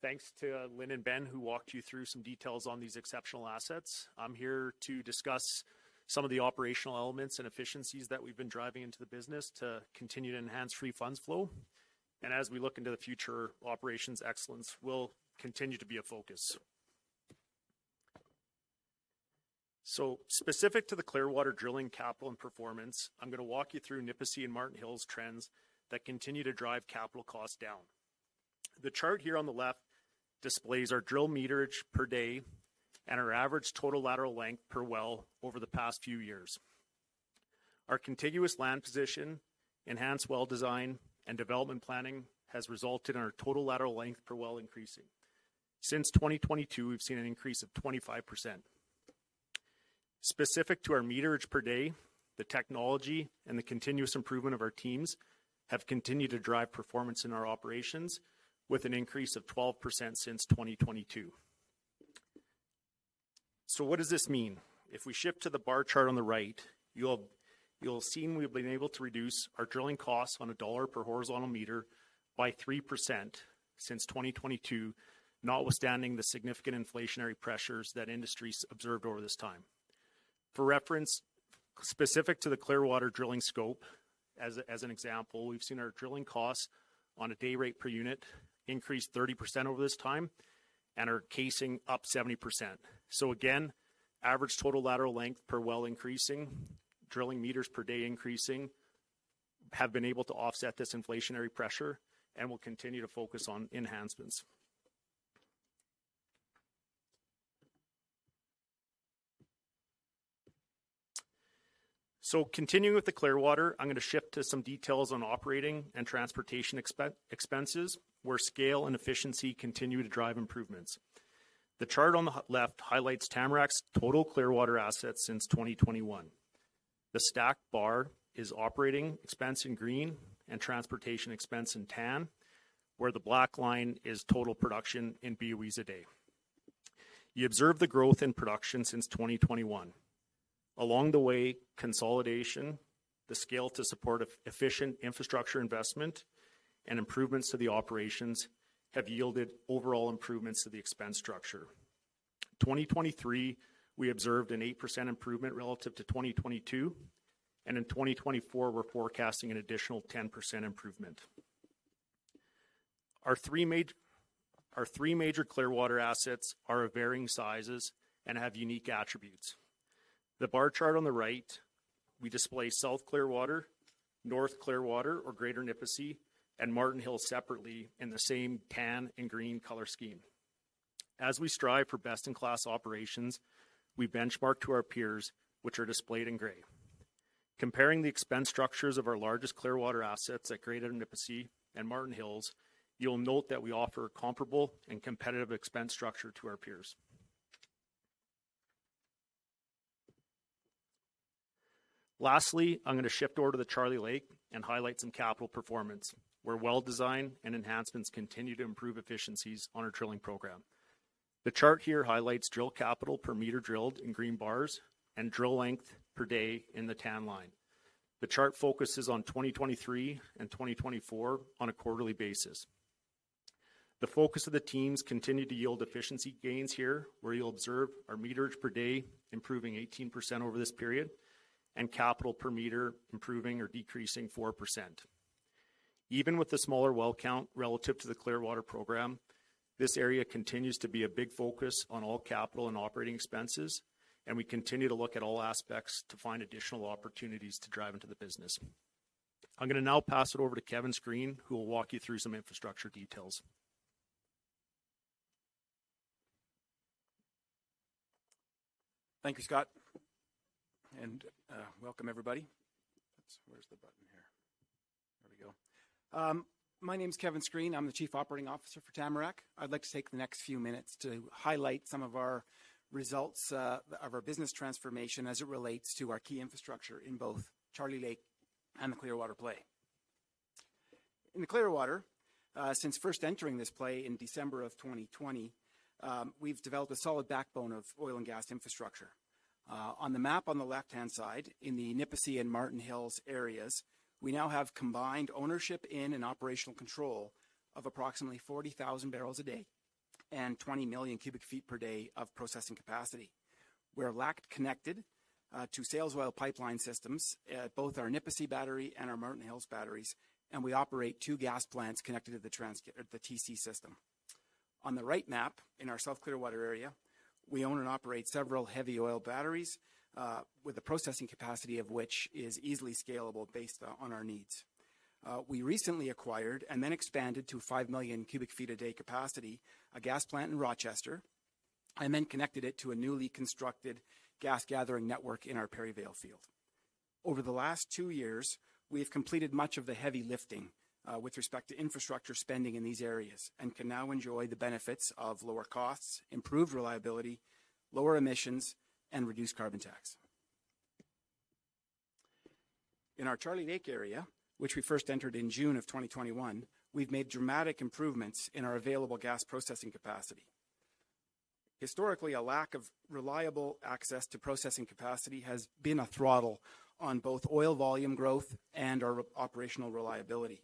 Thanks to Lynne Chrumka and Ben Stoodley who walked you through some details on these exceptional assets. I'm here to discuss some of the operational elements and efficiencies that we've been driving into the business to continue to enhance free funds flow. As we look into the future, operations excellence will continue to be a focus. Specific to the Clearwater drilling capital and performance, I'm going to walk you through Nipisi and Marten Hills trends that continue to drive capital costs down. The chart here on the left displays our drill meterage per day and our average total lateral length per well over the past few years. Our contiguous land position, enhanced well design, and development planning has resulted in our total lateral length per well increasing. Since 2022, we've seen an increase of 25%. Specific to our meterage per day, the technology and the continuous improvement of our teams have continued to drive performance in our operations with an increase of 12% since 2022. So what does this mean? If we shift to the bar chart on the right, you'll see we've been able to reduce our drilling costs on a CAD per horizontal meter by 3% since 2022, notwithstanding the significant inflationary pressures that industries observed over this time. For reference, specific to the Clearwater drilling scope, as an example, we've seen our drilling costs on a day rate per unit increase 30% over this time and our casing up 70%. So again, average total lateral length per well increasing, drilling meters per day increasing have been able to offset this inflationary pressure and will continue to focus on enhancements. So continuing with the Clearwater, I'm going to shift to some details on operating and transportation expenses where scale and efficiency continue to drive improvements. The chart on the left highlights Tamarack's total Clearwater assets since 2021. The stacked bar is operating expense in green and transportation expense in tan, where the black line is total production in BOEs a day. You observe the growth in production since 2021. Along the way, consolidation, the scale to support efficient infrastructure investment, and improvements to the operations have yielded overall improvements to the expense structure. In 2023, we observed an 8% improvement relative to 2022, and in 2024, we're forecasting an additional 10% improvement. Our three major Clearwater assets are of varying sizes and have unique attributes. The bar chart on the right, we display South Clearwater, North Clearwater, or Greater Nipisi, and Marten Hills separately in the same tan and green color scheme. As we strive for best-in-class operations, we benchmark to our peers, which are displayed in gray. Comparing the expense structures of our largest Clearwater assets at Greater Nipisi and Marten Hills, you'll note that we offer a comparable and competitive expense structure to our peers. Lastly, I'm going to shift over to the Charlie Lake and highlight some capital performance where well design and enhancements continue to improve efficiencies on our drilling program. The chart here highlights drill capital per meter drilled in green bars and drill length per day in the tan line. The chart focuses on 2023 and 2024 on a quarterly basis. The focus of the teams continues to yield efficiency gains here, where you'll observe our meterage per day improving 18% over this period and capital per meter improving or decreasing 4%. Even with the smaller well count relative to the Clearwater program, this area continues to be a big focus on all capital and operating expenses, and we continue to look at all aspects to find additional opportunities to drive into the business. I'm going to now pass it over to Kevin Screen, who will walk you through some infrastructure details. Thank you, Scott Shimek. Welcome, everybody. Where's the button here? There we go. My name is Kevin Screen. I'm the Chief Operating Officer for Tamarack. I'd like to take the next few minutes to highlight some of our results of our business transformation as it relates to our key infrastructure in both Charlie Lake and the Clearwater play. In the Clearwater, since first entering this play in December of 2020, we've developed a solid backbone of oil and gas infrastructure. On the map on the left-hand side in the Nipisi and Marten Hills areas, we now have combined ownership in and operational control of approximately 40,000 barrels a day and 20 million cubic feet per day of processing capacity. We're directly connected to sales oil pipeline systems at both our Nipisi battery and our Marten Hills batteries, and we operate two gas plants connected to the TC Energy system. On the right map in our South Clearwater area, we own and operate several heavy oil batteries with the processing capacity of which is easily scalable based on our needs. We recently acquired and then expanded to 5 million cubic feet a day capacity a gas plant in Rochester and then connected it to a newly constructed gas gathering network in our Perryvale field. Over the last 2 years, we have completed much of the heavy lifting with respect to infrastructure spending in these areas and can now enjoy the benefits of lower costs, improved reliability, lower emissions, and reduced carbon tax. In our Charlie Lake area, which we first entered in June of 2021, we've made dramatic improvements in our available gas processing capacity. Historically, a lack of reliable access to processing capacity has been a throttle on both oil volume growth and our operational reliability.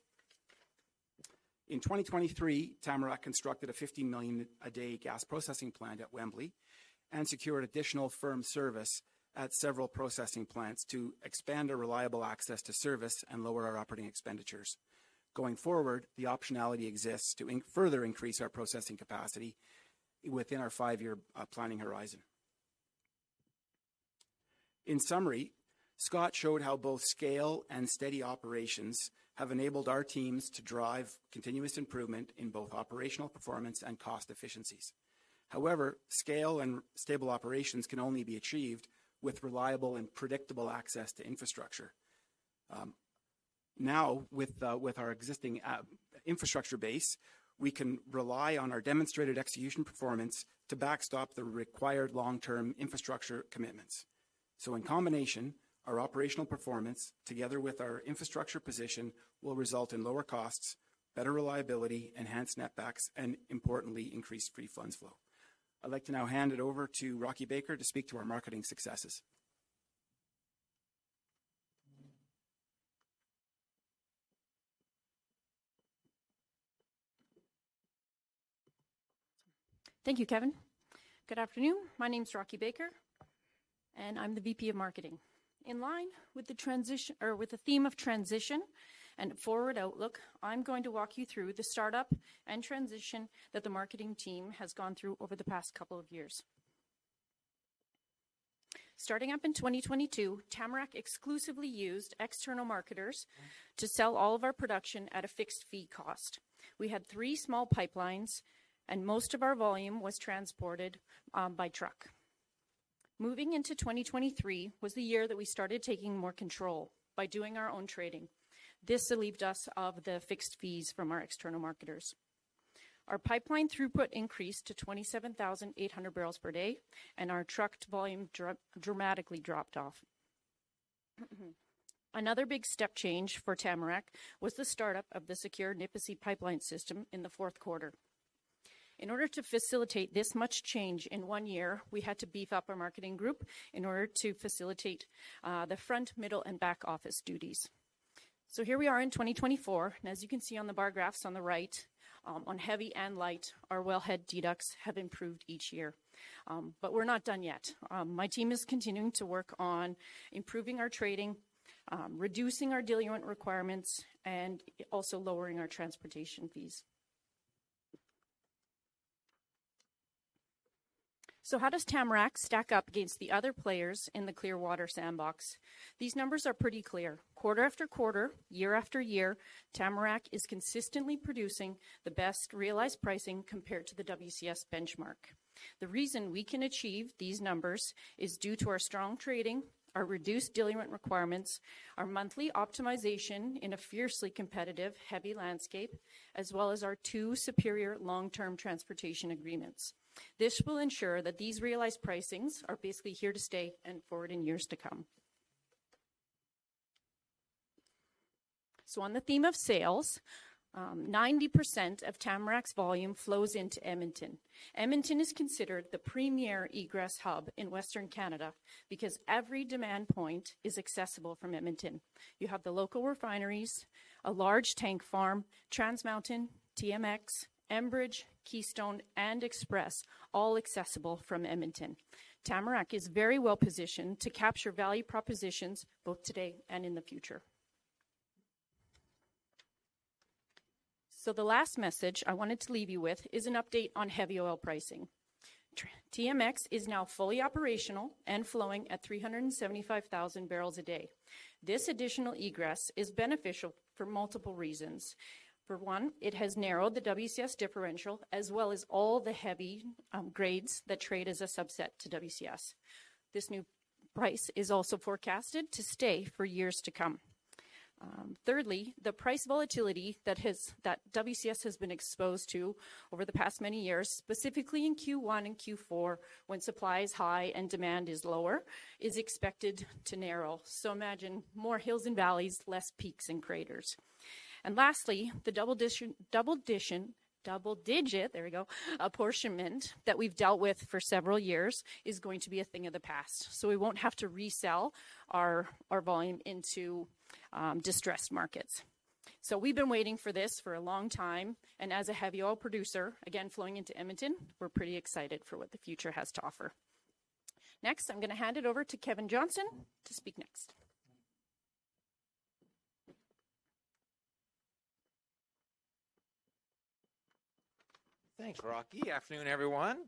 In 2023, Tamarack constructed a 50 million a day gas processing plant at Wembley and secured additional firm service at several processing plants to expand our reliable access to service and lower our operating expenditures. Going forward, the optionality exists to further increase our processing capacity within our five-year planning horizon. In summary, Scott Shimek showed how both scale and steady operations have enabled our teams to drive continuous improvement in both operational performance and cost efficiencies. However, scale and stable operations can only be achieved with reliable and predictable access to infrastructure. Now, with our existing infrastructure base, we can rely on our demonstrated execution performance to backstop the required long-term infrastructure commitments. In combination, our operational performance together with our infrastructure position will result in lower costs, better reliability, enhanced netbacks, and importantly, increased free funds flow. I'd like to now hand it over to Rocky Baker to speak to our marketing successes. Thank you, Kevin. Good afternoon. My name is Rocky Baker, and I'm the VP of Marketing. In line with the theme of transition and forward outlook, I'm going to walk you through the startup and transition that the marketing team has gone through over the past couple of years. Starting up in 2022, Tamarack exclusively used external marketers to sell all of our production at a fixed fee cost. We had three small pipelines, and most of our volume was transported by truck. Moving into 2023 was the year that we started taking more control by doing our own trading. This relieved us of the fixed fees from our external marketers. Our pipeline throughput increased to 27,800 barrels per day, and our trucked volume dramatically dropped off. Another big step change for Tamarack was the startup of the Secure Energy Services Nipisi pipeline system in the fourth quarter. In order to facilitate this much change in one year, we had to beef up our marketing group in order to facilitate the front, middle, and back office duties. So here we are in 2024, and as you can see on the bar graphs on the right, on heavy and light, our wellhead deducts have improved each year. But we're not done yet. My team is continuing to work on improving our trading, reducing our diluent requirements, and also lowering our transportation fees. So how does Tamarack stack up against the other players in the Clearwater sandbox? These numbers are pretty clear. Quarter after quarter, year after year, Tamarack is consistently producing the best realized pricing compared to the WCS benchmark. The reason we can achieve these numbers is due to our strong trading, our reduced diluent requirements, our monthly optimization in a fiercely competitive heavy landscape, as well as our two superior long-term transportation agreements. This will ensure that these realized pricings are basically here to stay and forward in years to come. So on the theme of sales, 90% of Tamarack's volume flows into Edmonton. Edmonton is considered the premier egress hub in Western Canada because every demand point is accessible from Edmonton. You have the local refineries, a large tank farm, Trans Mountain, TMX, Enbridge, Keystone, and Express, all accessible from Edmonton. Tamarack is very well positioned to capture value propositions both today and in the future. So the last message I wanted to leave you with is an update on heavy oil pricing. TMX is now fully operational and flowing at 375,000 barrels a day. This additional egress is beneficial for multiple reasons. For one, it has narrowed the WCS differential as well as all the heavy grades that trade as a subset to WCS. This new price is also forecasted to stay for years to come. Thirdly, the price volatility that WCS has been exposed to over the past many years, specifically in Q1 and Q4, when supply is high and demand is lower, is expected to narrow. Imagine more hills and valleys, less peaks and craters. And lastly, the double-digit apportionment that we've dealt with for several years is going to be a thing of the past. We won't have to resell our volume into distressed markets. We've been waiting for this for a long time. And as a heavy oil producer, again, flowing into Edmonton, we're pretty excited for what the future has to offer. Next, I'm going to hand it over to Kevin Johnston to speak next. Thanks, Rocky. Afternoon, everyone.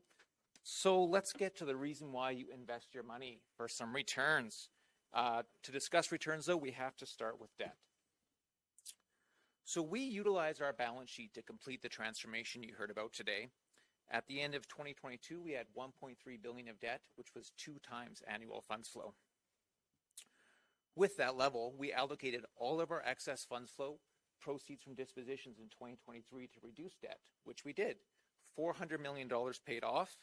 So let's get to the reason why you invest your money for some returns. To discuss returns, though, we have to start with debt. So we utilize our balance sheet to complete the transformation you heard about today. At the end of 2022, we had 1.3 billion of debt, which was 2 times annual funds flow. With that level, we allocated all of our excess funds flow proceeds from dispositions in 2023 to reduce debt, which we did. 400 million dollars paid off,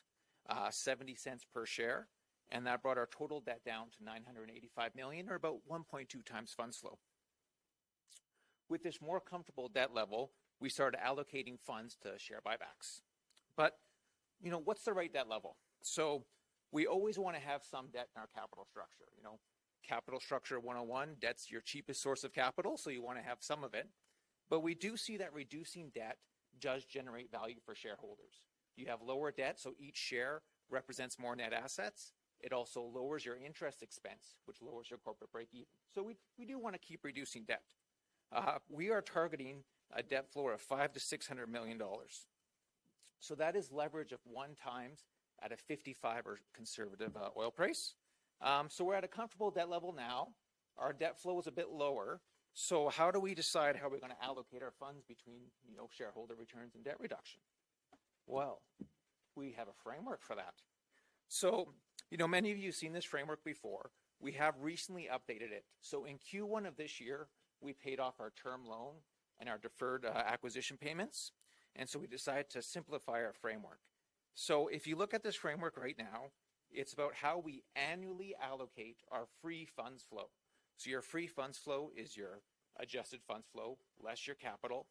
0.70 per share, and that brought our total debt down to 985 million, or about 1.2 times funds flow. With this more comfortable debt level, we started allocating funds to share buybacks. But what's the right debt level? So we always want to have some debt in our capital structure. Capital structure 101, debt's your cheapest source of capital, so you want to have some of it. But we do see that reducing debt does generate value for shareholders. You have lower debt, so each share represents more net assets. It also lowers your interest expense, which lowers your corporate breakeven. So we do want to keep reducing debt. We are targeting a debt floor of 500-600 million dollars. So that is leverage of 1x at a 55 or conservative oil price. So we're at a comfortable debt level now. Our debt flow is a bit lower. So how do we decide how we're going to allocate our funds between shareholder returns and debt reduction? Well, we have a framework for that. So many of you have seen this framework before. We have recently updated it. In Q1 of this year, we paid off our term loan and our deferred acquisition payments. We decided to simplify our framework. If you look at this framework right now, it's about how we annually allocate our free funds flow. Your free funds flow is your adjusted funds flow less your capital.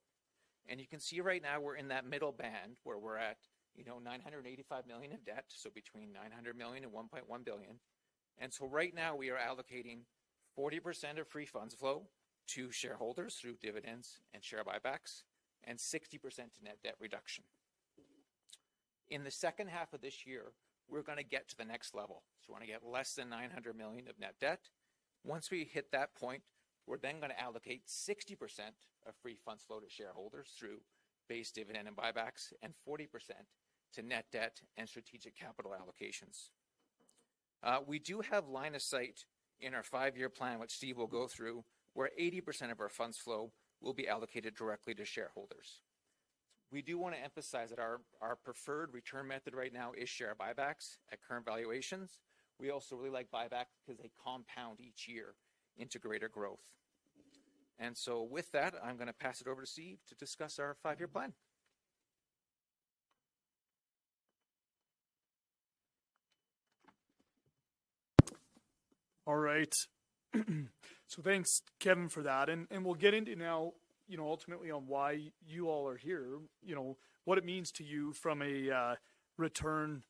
You can see right now we're in that middle band where we're at 985 million in debt, so between 900 million and 1.1 billion. Right now we are allocating 40% of free funds flow to shareholders through dividends and share buybacks and 60% to net debt reduction. In the second half of this year, we're going to get to the next level. We want to get less than 900 million of net debt. Once we hit that point, we're then going to allocate 60% of free funds flow to shareholders through base dividend and buybacks and 40% to net debt and strategic capital allocations. We do have line of sight in our five-year plan, which Steve Buytels will go through, where 80% of our funds flow will be allocated directly to shareholders. We do want to emphasize that our preferred return method right now is share buybacks at current valuations. We also really like buybacks because they compound each year into greater growth. And so with that, I'm going to pass it over to Steve Buytels to discuss our five-year plan. All right. So thanks, Kevin, for that. And we'll get into now ultimately on why you all are here, what it means to you from a return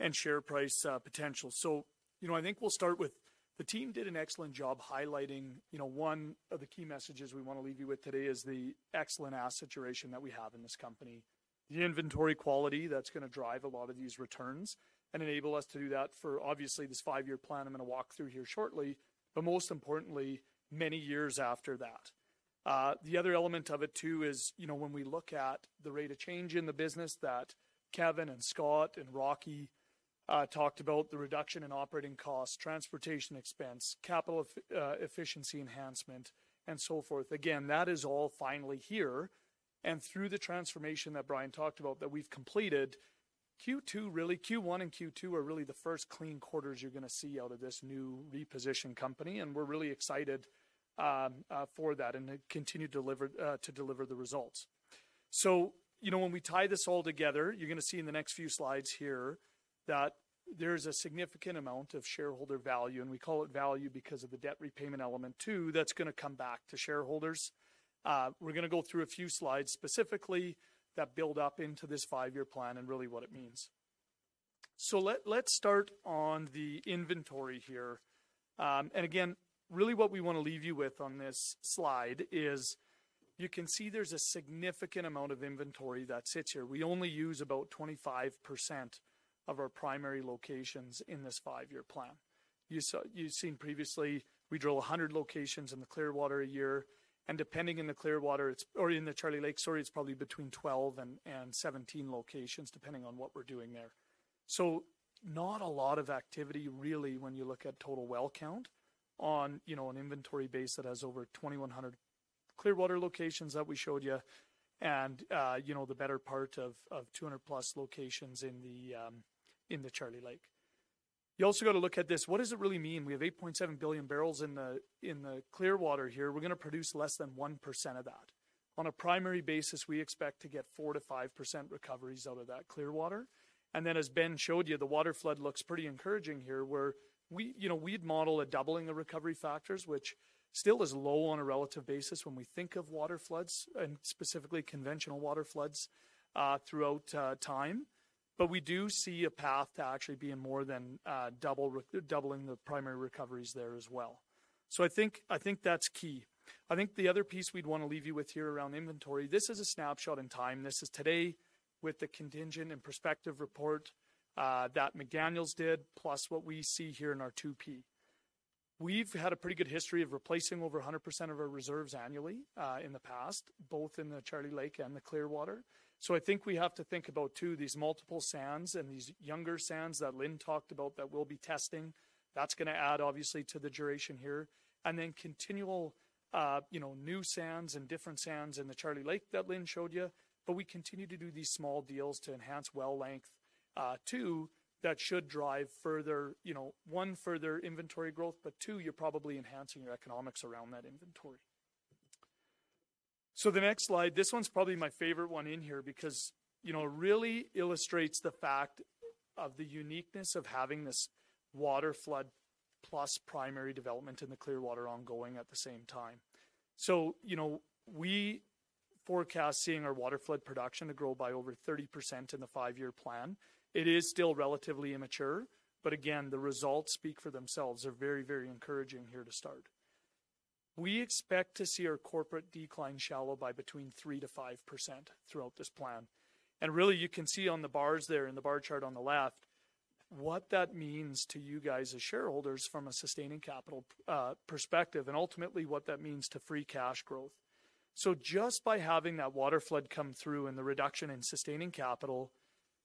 and share price potential. So I think we'll start with the team did an excellent job highlighting one of the key messages we want to leave you with today is the excellent asset duration that we have in this company, the inventory quality that's going to drive a lot of these returns and enable us to do that for obviously this five-year plan I'm going to walk through here shortly, but most importantly, many years after that. The other element of it too is when we look at the rate of change in the business that Kevin and Scott Shimek and Rocky talked about, the reduction in operating costs, transportation expense, capital efficiency enhancement, and so forth. Again, that is all finally here. And through the transformation that Brian Schmidt talked about that we've completed, Q2, really Q1 and Q2 are really the first clean quarters you're going to see out of this new repositioned company. And we're really excited for that and continue to deliver the results. So when we tie this all together, you're going to see in the next few slides here that there is a significant amount of shareholder value, and we call it value because of the debt repayment element too that's going to come back to shareholders. We're going to go through a few slides specifically that build up into this five-year plan and really what it means. So let's start on the inventory here. And again, really what we want to leave you with on this slide is you can see there's a significant amount of inventory that sits here. We only use about 25% of our primary locations in this five-year plan. You've seen previously we drill 100 locations in the Clearwater a year. And depending in the Clearwater or in the Charlie Lake, sorry, it's probably between 12-17 locations depending on what we're doing there. So not a lot of activity really when you look at total well count on an inventory base that has over 2,100 Clearwater locations that we showed you and the better part of 200+ locations in the Charlie Lake. You also got to look at this. What does it really mean? We have 8.7 billion barrels in the Clearwater here. We're going to produce less than 1% of that. On a primary basis, we expect to get 4%-5% recoveries out of that Clearwater. And then as Ben Stoodley showed you, the waterflood looks pretty encouraging here where we'd model a doubling of recovery factors, which still is low on a relative basis when we think of waterfloods and specifically conventional waterfloods throughout time. But we do see a path to actually being more than doubling the primary recoveries there as well. So I think that's key. I think the other piece we'd want to leave you with here around inventory, this is a snapshot in time. This is today with the contingent and prospective report that McDaniel & Associates did, plus what we see here in our 2P. We've had a pretty good history of replacing over 100% of our reserves annually in the past, both in the Charlie Lake and the Clearwater. So I think we have to think about too these multiple sands and these younger sands that Lynne Chrumka talked about that we'll be testing. That's going to add obviously to the duration here. And then continual new sands and different sands in the Charlie Lake that Lynne Chrumka showed you. But we continue to do these small deals to enhance well length too that should drive one further inventory growth, but two, you're probably enhancing your economics around that inventory. So the next slide, this one's probably my favorite one in here because it really illustrates the fact of the uniqueness of having this waterflood plus primary development in the Clearwater ongoing at the same time. So we forecast seeing our waterflood production to grow by over 30% in the five-year plan. It is still relatively immature, but again, the results speak for themselves, are very, very encouraging here to start. We expect to see our corporate decline shallow by between 3%-5% throughout this plan. Really, you can see on the bars there in the bar chart on the left, what that means to you guys as shareholders from a sustaining capital perspective and ultimately what that means to free cash growth. Just by having that waterflood come through and the reduction in sustaining capital,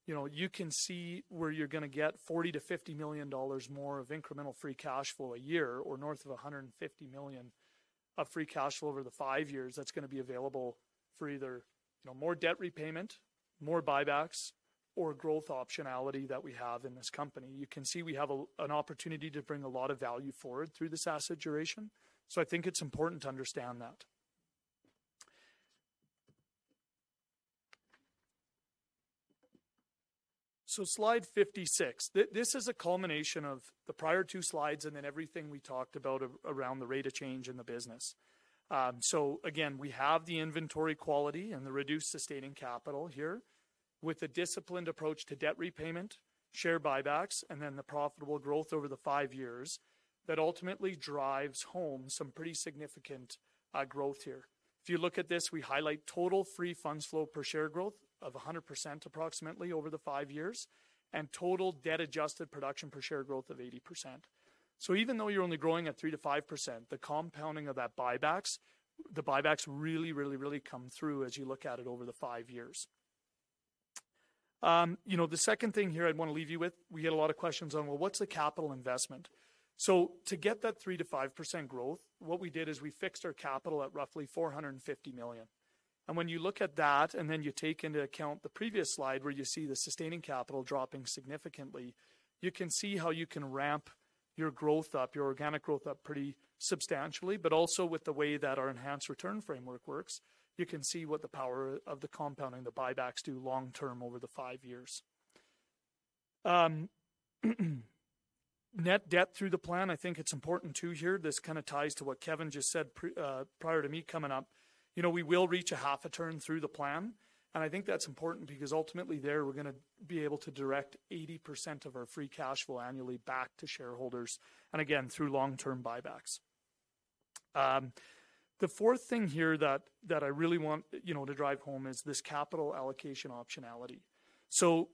you can see where you're going to get 40 million-50 million dollars more of incremental free cash flow a year or north of 150 million of free cash flow over the five years that's going to be available for either more debt repayment, more buybacks, or growth optionality that we have in this company. You can see we have an opportunity to bring a lot of value forward through this asset duration. So I think it's important to understand that. So slide 56. This is a culmination of the prior two slides and then everything we talked about around the rate of change in the business. So again, we have the inventory quality and the reduced sustaining capital here with a disciplined approach to debt repayment, share buybacks, and then the profitable growth over the five years that ultimately drives home some pretty significant growth here. If you look at this, we highlight total free funds flow per share growth of 100% approximately over the five years and total debt adjusted production per share growth of 80%. So even though you're only growing at 3%-5%, the compounding of that buybacks, the buybacks really, really, really come through as you look at it over the five years. The second thing here I'd want to leave you with, we get a lot of questions on, well, what's the capital investment? So to get that 3%-5% growth, what we did is we fixed our capital at roughly 450 million. And when you look at that and then you take into account the previous slide where you see the sustaining capital dropping significantly, you can see how you can ramp your growth up, your organic growth up pretty substantially, but also with the way that our enhanced return framework works, you can see what the power of the compounding, the buybacks do long term over the five years. Net debt through the plan, I think it's important too here. This kind of ties to what Kevin just said prior to me coming up. We will reach a half a turn through the plan. I think that's important because ultimately there we're going to be able to direct 80% of our free cash flow annually back to shareholders and again through long-term buybacks. The fourth thing here that I really want to drive home is this capital allocation optionality. So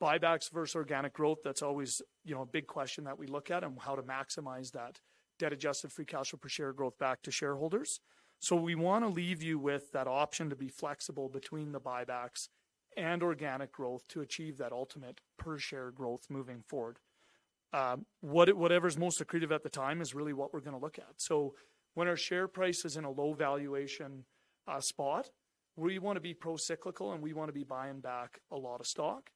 buybacks versus organic growth, that's always a big question that we look at and how to maximize that debt adjusted free cash flow per share growth back to shareholders. So we want to leave you with that option to be flexible between the buybacks and organic growth to achieve that ultimate per share growth moving forward. Whatever's most attractive at the time is really what we're going to look at. So when our share price is in a low valuation spot, we want to be pro-cyclical and we want to be buying back a lot of stock.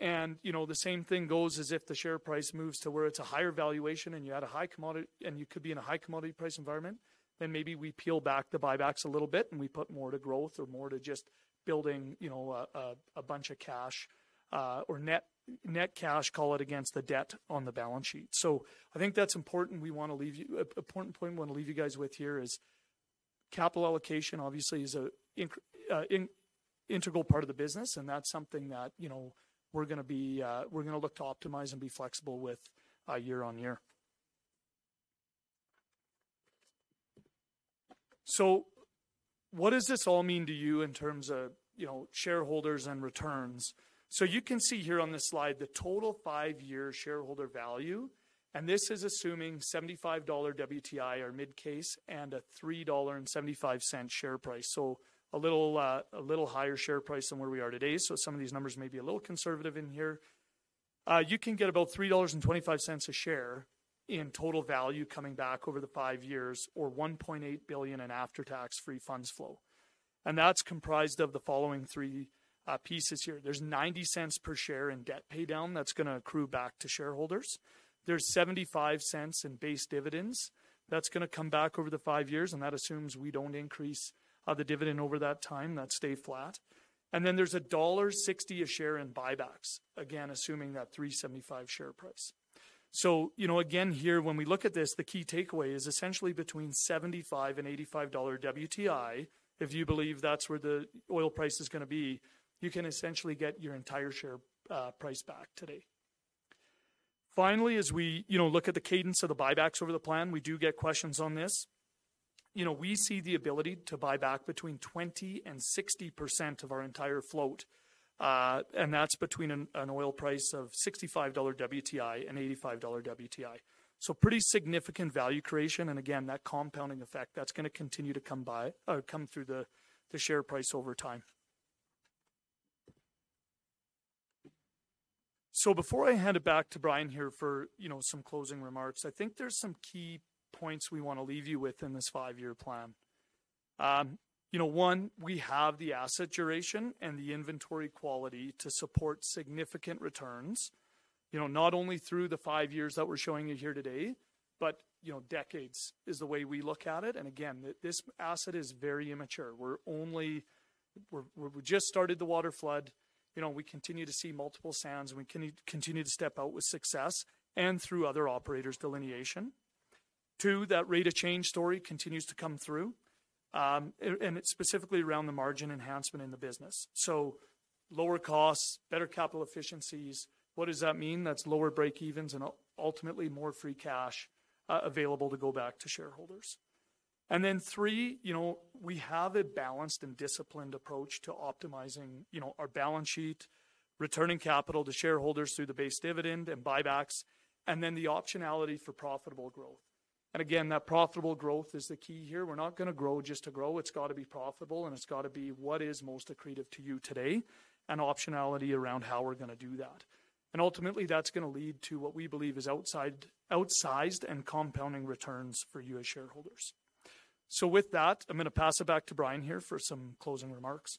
The same thing goes as if the share price moves to where it's a higher valuation and you had a high commodity and you could be in a high commodity price environment, then maybe we peel back the buybacks a little bit and we put more to growth or more to just building a bunch of cash or net cash, call it against the debt on the balance sheet. So I think that's important. We want to leave you an important point we want to leave you guys with here is capital allocation obviously is an integral part of the business and that's something that we're going to be we're going to look to optimize and be flexible with year on year. What does this all mean to you in terms of shareholders and returns? You can see here on this slide the total five-year shareholder value. This is assuming $75 WTI or mid case and a $3.75 share price. A little higher share price than where we are today. Some of these numbers may be a little conservative in here. You can get about $3.25 a share in total value coming back over the five years or $1.8 billion in after-tax free funds flow. That's comprised of the following three pieces here. There's 0.90 per share in debt paydown that's going to accrue back to shareholders. There's 0.75 in base dividends that's going to come back over the 5 years. That assumes we don't increase the dividend over that time. That's stay flat. Then there's CAD 1.60 per share in buybacks, again, assuming that 3.75 share price. So again, here when we look at this, the key takeaway is essentially between $75-$85 WTI, if you believe that's where the oil price is going to be, you can essentially get your entire share price back today. Finally, as we look at the cadence of the buybacks over the plan, we do get questions on this. We see the ability to buy back between 20%-60% of our entire float. That's between an oil price of $65-$85 WTI. So pretty significant value creation. And again, that compounding effect that's going to continue to come through the share price over time. So before I hand it back to Brian Schmidt here for some closing remarks, I think there's some key points we want to leave you with in this five-year plan. One, we have the asset duration and the inventory quality to support significant returns, not only through the five years that we're showing you here today, but decades is the way we look at it. And again, this asset is very immature. We're just started the waterflood. We continue to see multiple sands and we continue to step out with success and through other operators' delineation. Two, that rate of change story continues to come through. And it's specifically around the margin enhancement in the business. So lower costs, better capital efficiencies. What does that mean? That's lower breakevens and ultimately more free cash available to go back to shareholders. And then three, we have a balanced and disciplined approach to optimizing our balance sheet, returning capital to shareholders through the base dividend and buybacks, and then the optionality for profitable growth. And again, that profitable growth is the key here. We're not going to grow just to grow. It's got to be profitable and it's got to be what is most accretive to you today and optionality around how we're going to do that. And ultimately, that's going to lead to what we believe is outsized and compounding returns for you as shareholders. So with that, I'm going to pass it back to Brian Schmidt here for some closing remarks.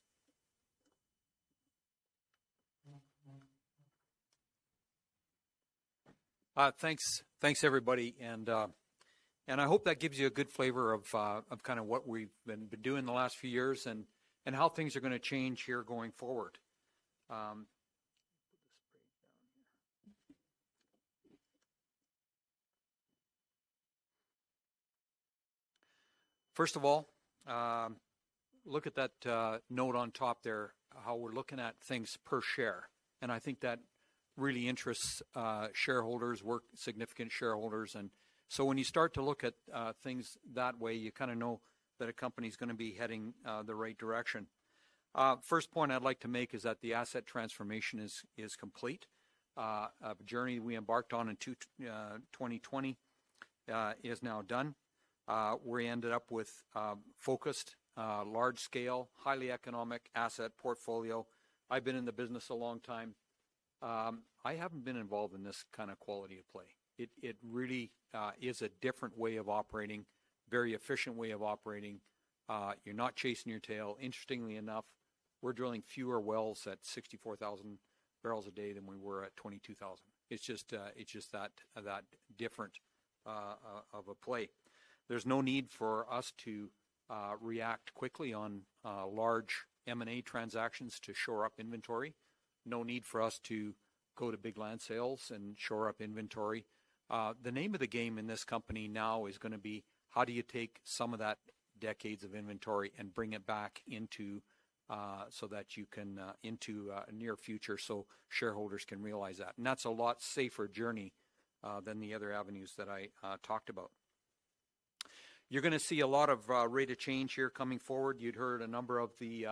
Thanks, everybody. I hope that gives you a good flavor of kind of what we've been doing the last few years and how things are going to change here going forward. First of all, look at that note on top there, how we're looking at things per share. I think that really interests shareholders, significant shareholders. So when you start to look at things that way, you kind of know that a company is going to be heading the right direction. First point I'd like to make is that the asset transformation is complete. The journey we embarked on in 2020 is now done. We ended up with focused, large-scale, highly economic asset portfolio. I've been in the business a long time. I haven't been involved in this kind of quality of play. It really is a different way of operating, very efficient way of operating. You're not chasing your tail. Interestingly enough, we're drilling fewer wells at 64,000 barrels a day than we were at 22,000. It's just that different of a play. There's no need for us to react quickly on large M&A transactions to shore up inventory. No need for us to go to big land sales and shore up inventory. The name of the game in this company now is going to be how do you take some of that decades of inventory and bring it back into so that you can into a near future so shareholders can realize that. That's a lot safer journey than the other avenues that I talked about. You're going to see a lot of rate of change here coming forward. You'd heard a number of the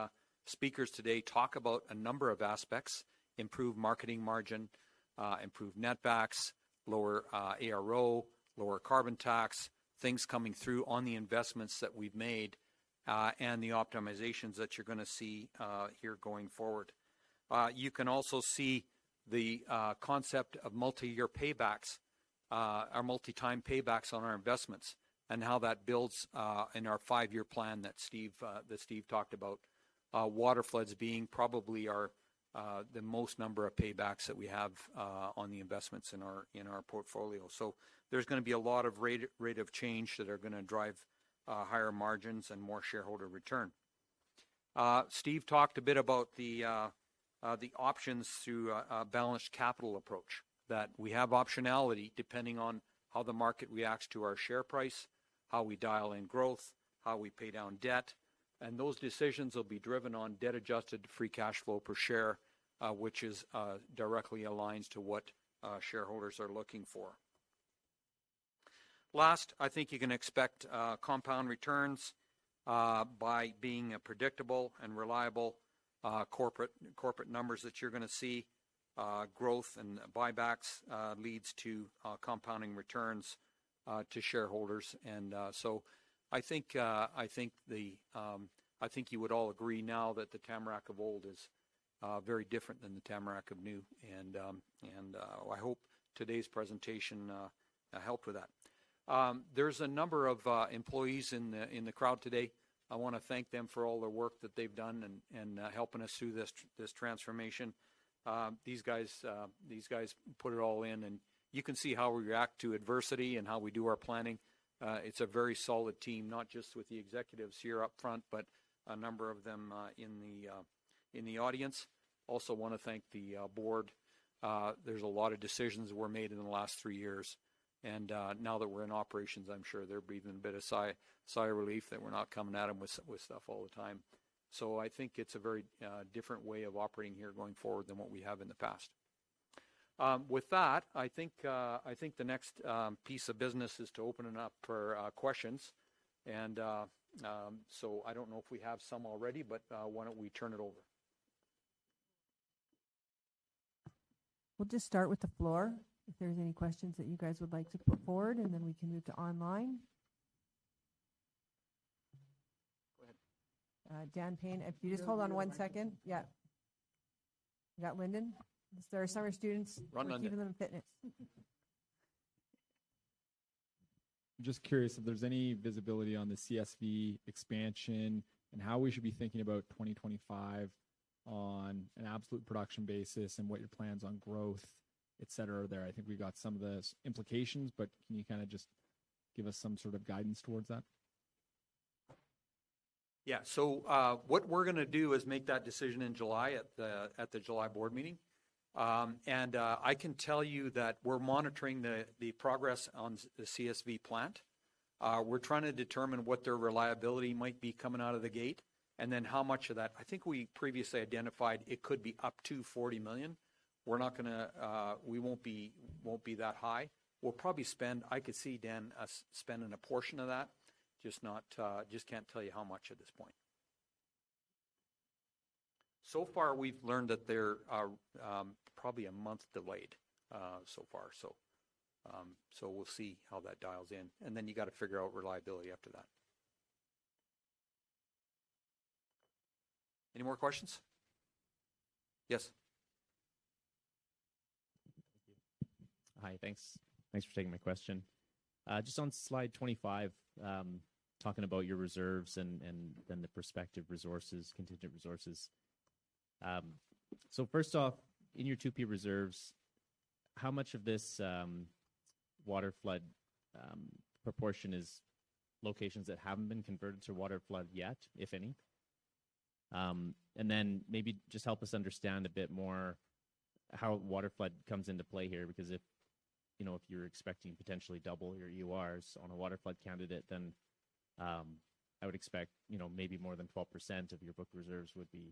speakers today talk about a number of aspects: improve marketing margin, improve netbacks, lower ARO, lower carbon tax, things coming through on the investments that we've made, and the optimizations that you're going to see here going forward. You can also see the concept of multi-year paybacks, our multi-time paybacks on our investments and how that builds in our five-year plan that Steve Buytels talked about, waterfloods being probably the most number of paybacks that we have on the investments in our portfolio. So there's going to be a lot of rate of change that are going to drive higher margins and more shareholder return. Steve Buytels talked a bit about the options through a balanced capital approach that we have optionality depending on how the market reacts to our share price, how we dial in growth, how we pay down debt. Those decisions will be driven on debt adjusted free cash flow per share, which directly aligns to what shareholders are looking for. Last, I think you can expect compound returns by being a predictable and reliable corporate numbers that you're going to see. Growth and buybacks leads to compounding returns to shareholders. And so I think you would all agree now that the Tamarack of old is very different than the Tamarack of new. And I hope today's presentation helped with that. There's a number of employees in the crowd today. I want to thank them for all their work that they've done and helping us through this transformation. These guys put it all in. And you can see how we react to adversity and how we do our planning. It's a very solid team, not just with the executives here upfront, but a number of them in the audience. Also want to thank the board. There's a lot of decisions that were made in the last three years. And now that we're in operations, I'm sure they're breathing a bit of sigh of relief that we're not coming at them with stuff all the time. So I think it's a very different way of operating here going forward than what we have in the past. With that, I think the next piece of business is to open it up for questions. And so I don't know if we have some already, but why don't we turn it over? We'll just start with the floor if there's any questions that you guys would like to put forward, and then we can move to online. Go ahead. Dan Payne, if you just hold on one second. Yeah. You got Lynne Chrumka? Is there a summer student? Run on it. Just curious if there's any visibility on the CIP expansion and how we should be thinking about 2025 on an absolute production basis and what your plans on growth, etc., are there? I think we got some of the implications, but can you kind of just give us some sort of guidance towards that? Yeah. So what we're going to do is make that decision in July at the July board meeting. And I can tell you that we're monitoring the progress on the CSV Midstream plant. We're trying to determine what their reliability might be coming out of the gate and then how much of that. I think we previously identified it could be up to 40 million. We're not going to, we won't be that high. We'll probably spend, I could see Dan spending a portion of that. Just can't tell you how much at this point. So far, we've learned that they're probably a month delayed so far. So we'll see how that dials in. And then you got to figure out reliability after that. Any more questions? Yes. Hi, thanks. Thanks for taking my question. Just on slide 25, talking about your reserves and then the prospective resources, contingent resources. So first off, in your 2P reserves, how much of this waterflood proportion is locations that haven't been converted to waterflood yet, if any? And then maybe just help us understand a bit more how waterflood comes into play here, because if you're expecting potentially double your EORs on a waterflood candidate, then I would expect maybe more than 12% of your book reserves would be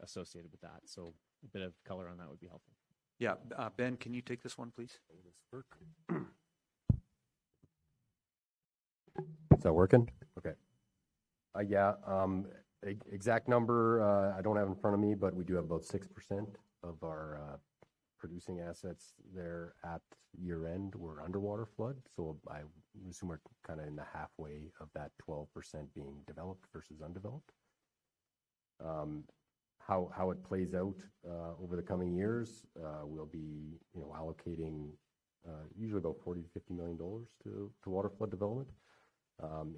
associated with that. So a bit of color on that would be helpful. Yeah. Ben Stoodley, can you take this one, please? Is that working? Okay. Yeah. Exact number I don't have in front of me, but we do have about 6% of our producing assets there at year-end were under waterflood. So I assume we're kind of in the halfway of that 12% being developed versus undeveloped. How it plays out over the coming years, we'll be allocating usually about 40 million-50 million dollars to waterflood development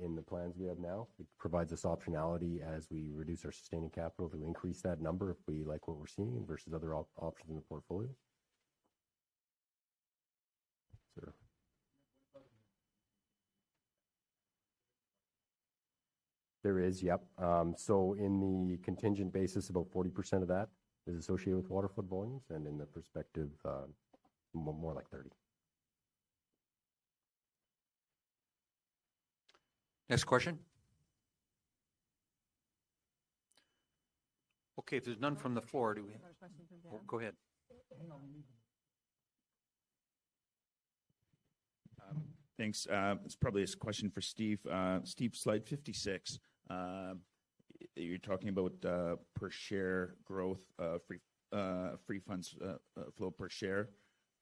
in the plans we have now. It provides us optionality as we reduce our sustaining capital to increase that number if we like what we're seeing versus other options in the portfolio. There is, yep. So in the contingent resources, about 40% of that is associated with waterflood volumes, and in the prospective resources, more like 30%. Next question. Okay. If there's none from the floor, do we have? Go ahead. Thanks. It's probably a question for Steve Buytels. Steve Buytels, slide 56, you're talking about per share growth, free funds flow per share.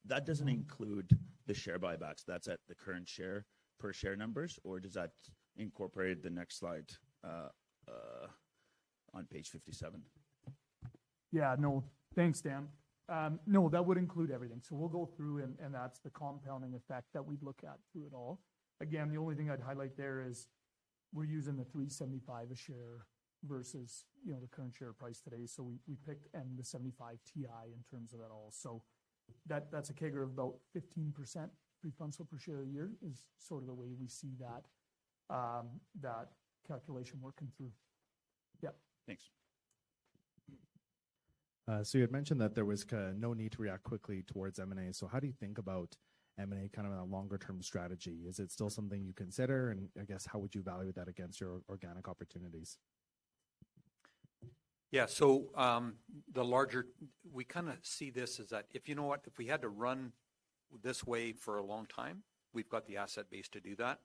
That doesn't include the share buybacks. That's at the current share per share numbers, or does that incorporate the next slide on page 57? Yeah. No, thanks, Dan. No, that would include everything. So we'll go through, and that's the compounding effect that we'd look at through it all. Again, the only thing I'd highlight there is we're using the 3.75 a share versus the current share price today. So we picked $75 WTI in terms of that all. So that's a figure of about 15% returns per share a year is sort of the way we see that calculation working through. Yeah. Thanks. You had mentioned that there was no need to react quickly towards M&A. How do you think about M&A kind of a longer-term strategy? Is it still something you consider? I guess, how would you value that against your organic opportunities? Yeah. So the larger, we kind of see this as that if you know what, if we had to run this way for a long time, we've got the asset base to do that.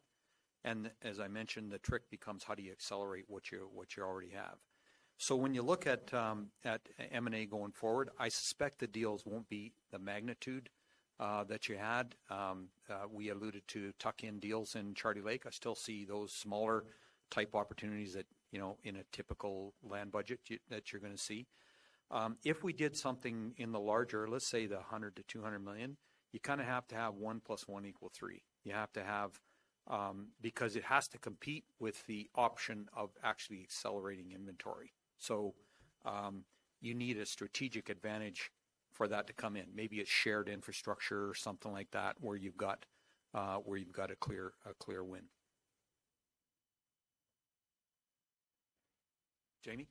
And as I mentioned, the trick becomes how do you accelerate what you already have? So when you look at M&A going forward, I suspect the deals won't be the magnitude that you had. We alluded to tuck-in deals in Charlie Lake. I still see those smaller type opportunities in a typical land budget that you're going to see. If we did something in the larger, let's say 100 million-200 million, you kind of have to have one plus one equal three. You have to have because it has to compete with the option of actually accelerating inventory. So you need a strategic advantage for that to come in, maybe a shared infrastructure or something like that where you've got a clear win. Jamie?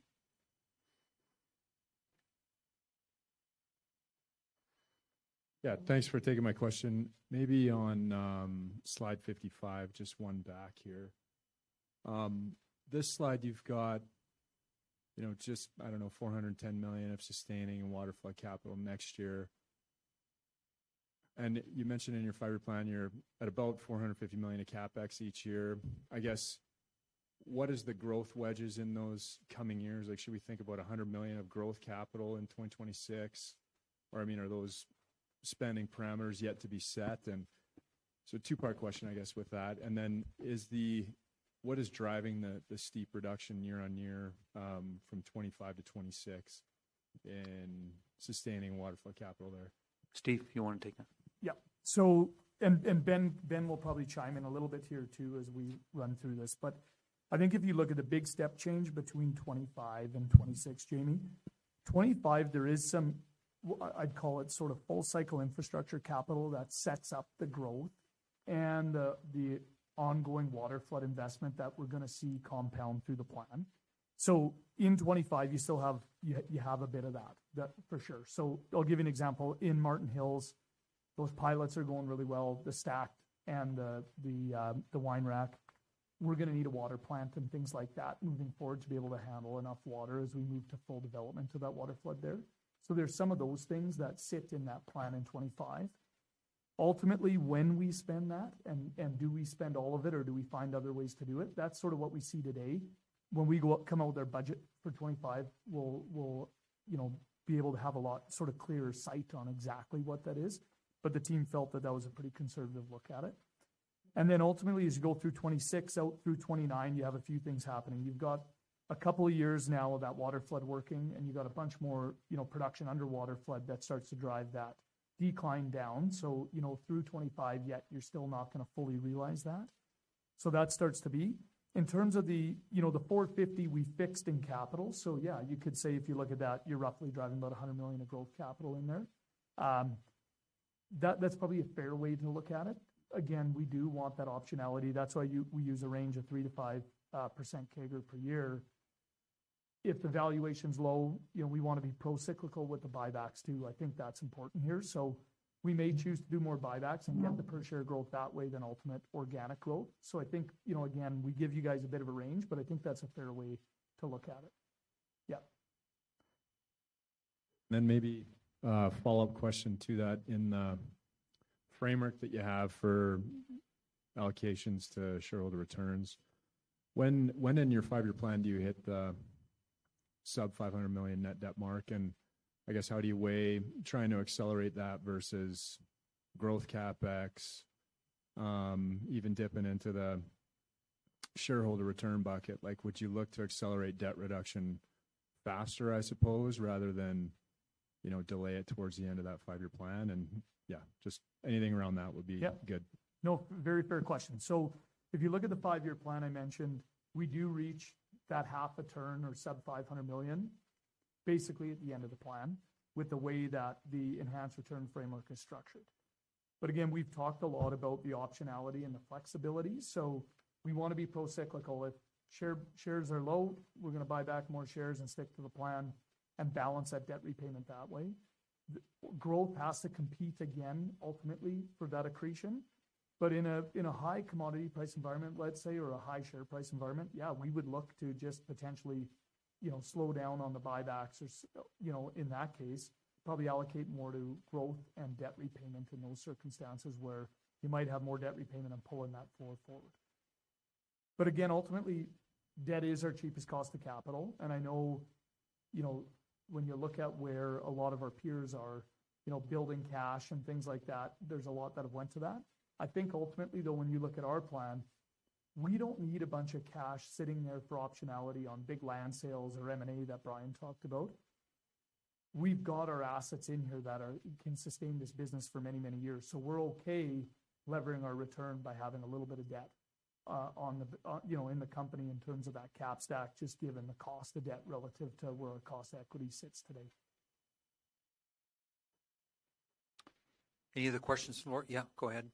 Yeah. Thanks for taking my question. Maybe on slide 55, just one back here. This slide, you've got just, I don't know, 410 million of sustaining and waterflood capital next year. And you mentioned in your five-year plan, you're at about 450 million of CapEx each year. I guess, what is the growth budgets in those coming years? Should we think about 100 million of growth capital in 2026? Or I mean, are those spending parameters yet to be set? And so two-part question, I guess, with that. And then what is driving the steep reduction year-over-year from 2025-2026 in sustaining waterflood capital there? Steve Buytels, you want to take that? Yeah. Ben Stoodley will probably chime in a little bit here too as we run through this. But I think if you look at the big step change between 2025 and 2026, Jamie, 2025, there is some, I'd call it sort of full-cycle infrastructure capital that sets up the growth and the ongoing waterflood investment that we're going to see compound through the plan. So in 2025, you still have a bit of that, for sure. So I'll give you an example. In Marten Hills, those pilots are going really well, the stacked and the W-pattern. We're going to need a water plant and things like that moving forward to be able to handle enough water as we move to full development to that waterflood there. So there's some of those things that sit in that plan in 2025. Ultimately, when we spend that, and do we spend all of it, or do we find other ways to do it? That's sort of what we see today. When we come out with our budget for 2025, we'll be able to have a lot sort of clearer sight on exactly what that is. But the team felt that that was a pretty conservative look at it. And then ultimately, as you go through 2026, out through 2029, you have a few things happening. You've got a couple of years now of that waterflood working, and you've got a bunch more production under waterflood that starts to drive that decline down. So through 2025, yet you're still not going to fully realize that. So that starts to be. In terms of the 450, we fixed in capital. So yeah, you could say if you look at that, you're roughly driving about 100 million of growth capital in there. That's probably a fair way to look at it. Again, we do want that optionality. That's why we use a range of 3%-5% capex per year. If the valuation's low, we want to be pro-cyclical with the buybacks too. I think that's important here. So we may choose to do more buybacks and get the per-share growth that way than ultimate organic growth. So I think, again, we give you guys a bit of a range, but I think that's a fair way to look at it. Yeah. Then maybe a follow-up question to that in the framework that you have for allocations to shareholder returns. When in your five-year plan do you hit the sub-CAD 500 million net debt mark? And I guess, how do you weigh trying to accelerate that versus growth CapEx, even dipping into the shareholder return bucket? Would you look to accelerate debt reduction faster, I suppose, rather than delay it towards the end of that five-year plan? And yeah, just anything around that would be good. Yeah. No, very fair question. So if you look at the five-year plan I mentioned, we do reach that half a turn or sub-CAD 500 million basically at the end of the plan with the way that the enhanced return framework is structured. But again, we've talked a lot about the optionality and the flexibility. So we want to be pro-cyclical. If shares are low, we're going to buy back more shares and stick to the plan and balance that debt repayment that way. Growth has to compete again, ultimately, for that accretion. But in a high commodity price environment, let's say, or a high share price environment, yeah, we would look to just potentially slow down on the buybacks or, in that case, probably allocate more to growth and debt repayment in those circumstances where you might have more debt repayment and pull that forward. But again, ultimately, debt is our cheapest cost of capital. And I know when you look at where a lot of our peers are building cash and things like that, there's a lot that have went to that. I think ultimately, though, when you look at our plan, we don't need a bunch of cash sitting there for optionality on big land sales or M&A that Brian Schmidt talked about. We've got our assets in here that can sustain this business for many, many years. So we're okay levering our return by having a little bit of debt in the company in terms of that cap stack, just given the cost of debt relative to where our cost equity sits today. Any other questions from the board? Yeah, go ahead.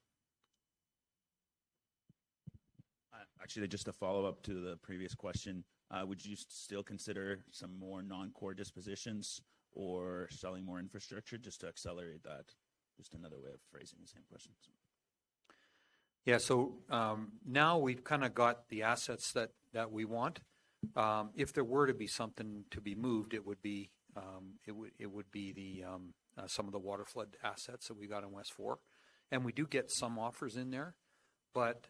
Actually, just a follow-up to the previous question. Would you still consider some more non-core dispositions or selling more infrastructure just to accelerate that? Just another way of phrasing the same question. Yeah. So now we've kind of got the assets that we want. If there were to be something to be moved, it would be some of the waterflood assets that we got in Wexford. And we do get some offers in there, but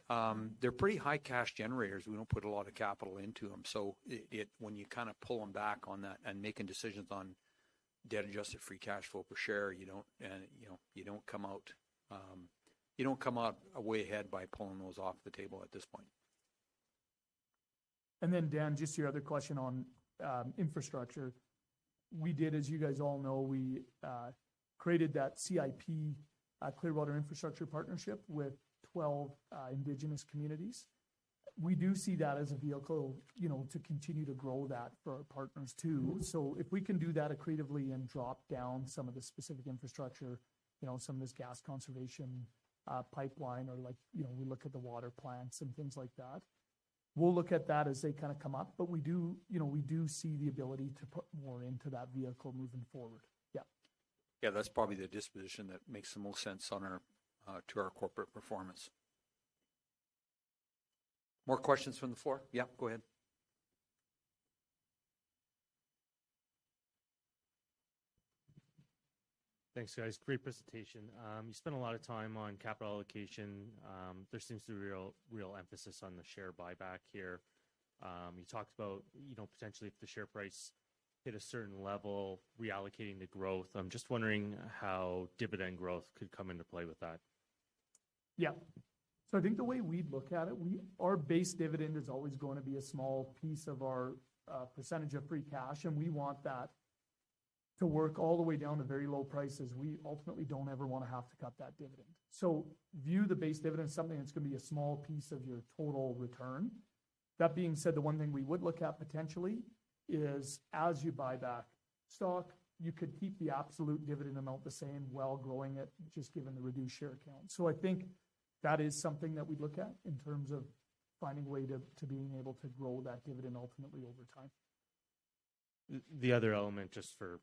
they're pretty high cash generators. We don't put a lot of capital into them. So when you kind of pull them back on that and making decisions on debt-adjusted free cash flow per share, you don't come out a way ahead by pulling those off the table at this point. And then, Dan, just your other question on infrastructure. As you guys all know, we created that CIP, Clearwater Infrastructure Partnership, with 12 indigenous communities. We do see that as a vehicle to continue to grow that for our partners too. So if we can do that accretively and drop down some of the specific infrastructure, some of this gas conservation pipeline, or we look at the water plants and things like that, we'll look at that as they kind of come up. But we do see the ability to put more into that vehicle moving forward. Yeah. Yeah, that's probably the disposition that makes the most sense to our corporate performance. More questions from the floor? Yeah, go ahead. Thanks, guys. Great presentation. You spent a lot of time on capital allocation. There seems to be real emphasis on the share buyback here. You talked about potentially if the share price hit a certain level, reallocating the growth. I'm just wondering how dividend growth could come into play with that. Yeah. So I think the way we'd look at it, our base dividend is always going to be a small piece of our percentage of free cash, and we want that to work all the way down to very low prices. We ultimately don't ever want to have to cut that dividend. So view the base dividend as something that's going to be a small piece of your total return. That being said, the one thing we would look at potentially is as you buy back stock, you could keep the absolute dividend amount the same while growing it, just given the reduced share count. So I think that is something that we'd look at in terms of finding a way to being able to grow that dividend ultimately over time. The other element, just for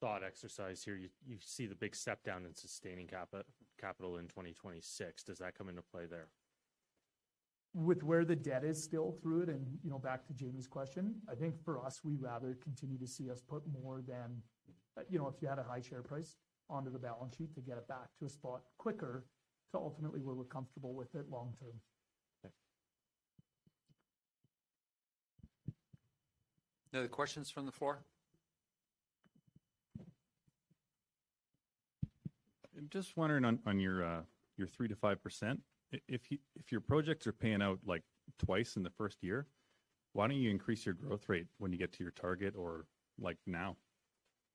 thought exercise here, you see the big step down in sustaining capital in 2026. Does that come into play there? With where the debt is still through it, and back to Jamie's question, I think for us, we'd rather continue to see us put more than if you had a high share price onto the balance sheet to get it back to a spot quicker to ultimately where we're comfortable with it long term. Okay. No other questions from the floor? I'm just wondering on your 3%-5%, if your projects are paying out twice in the first year, why don't you increase your growth rate when you get to your target or now?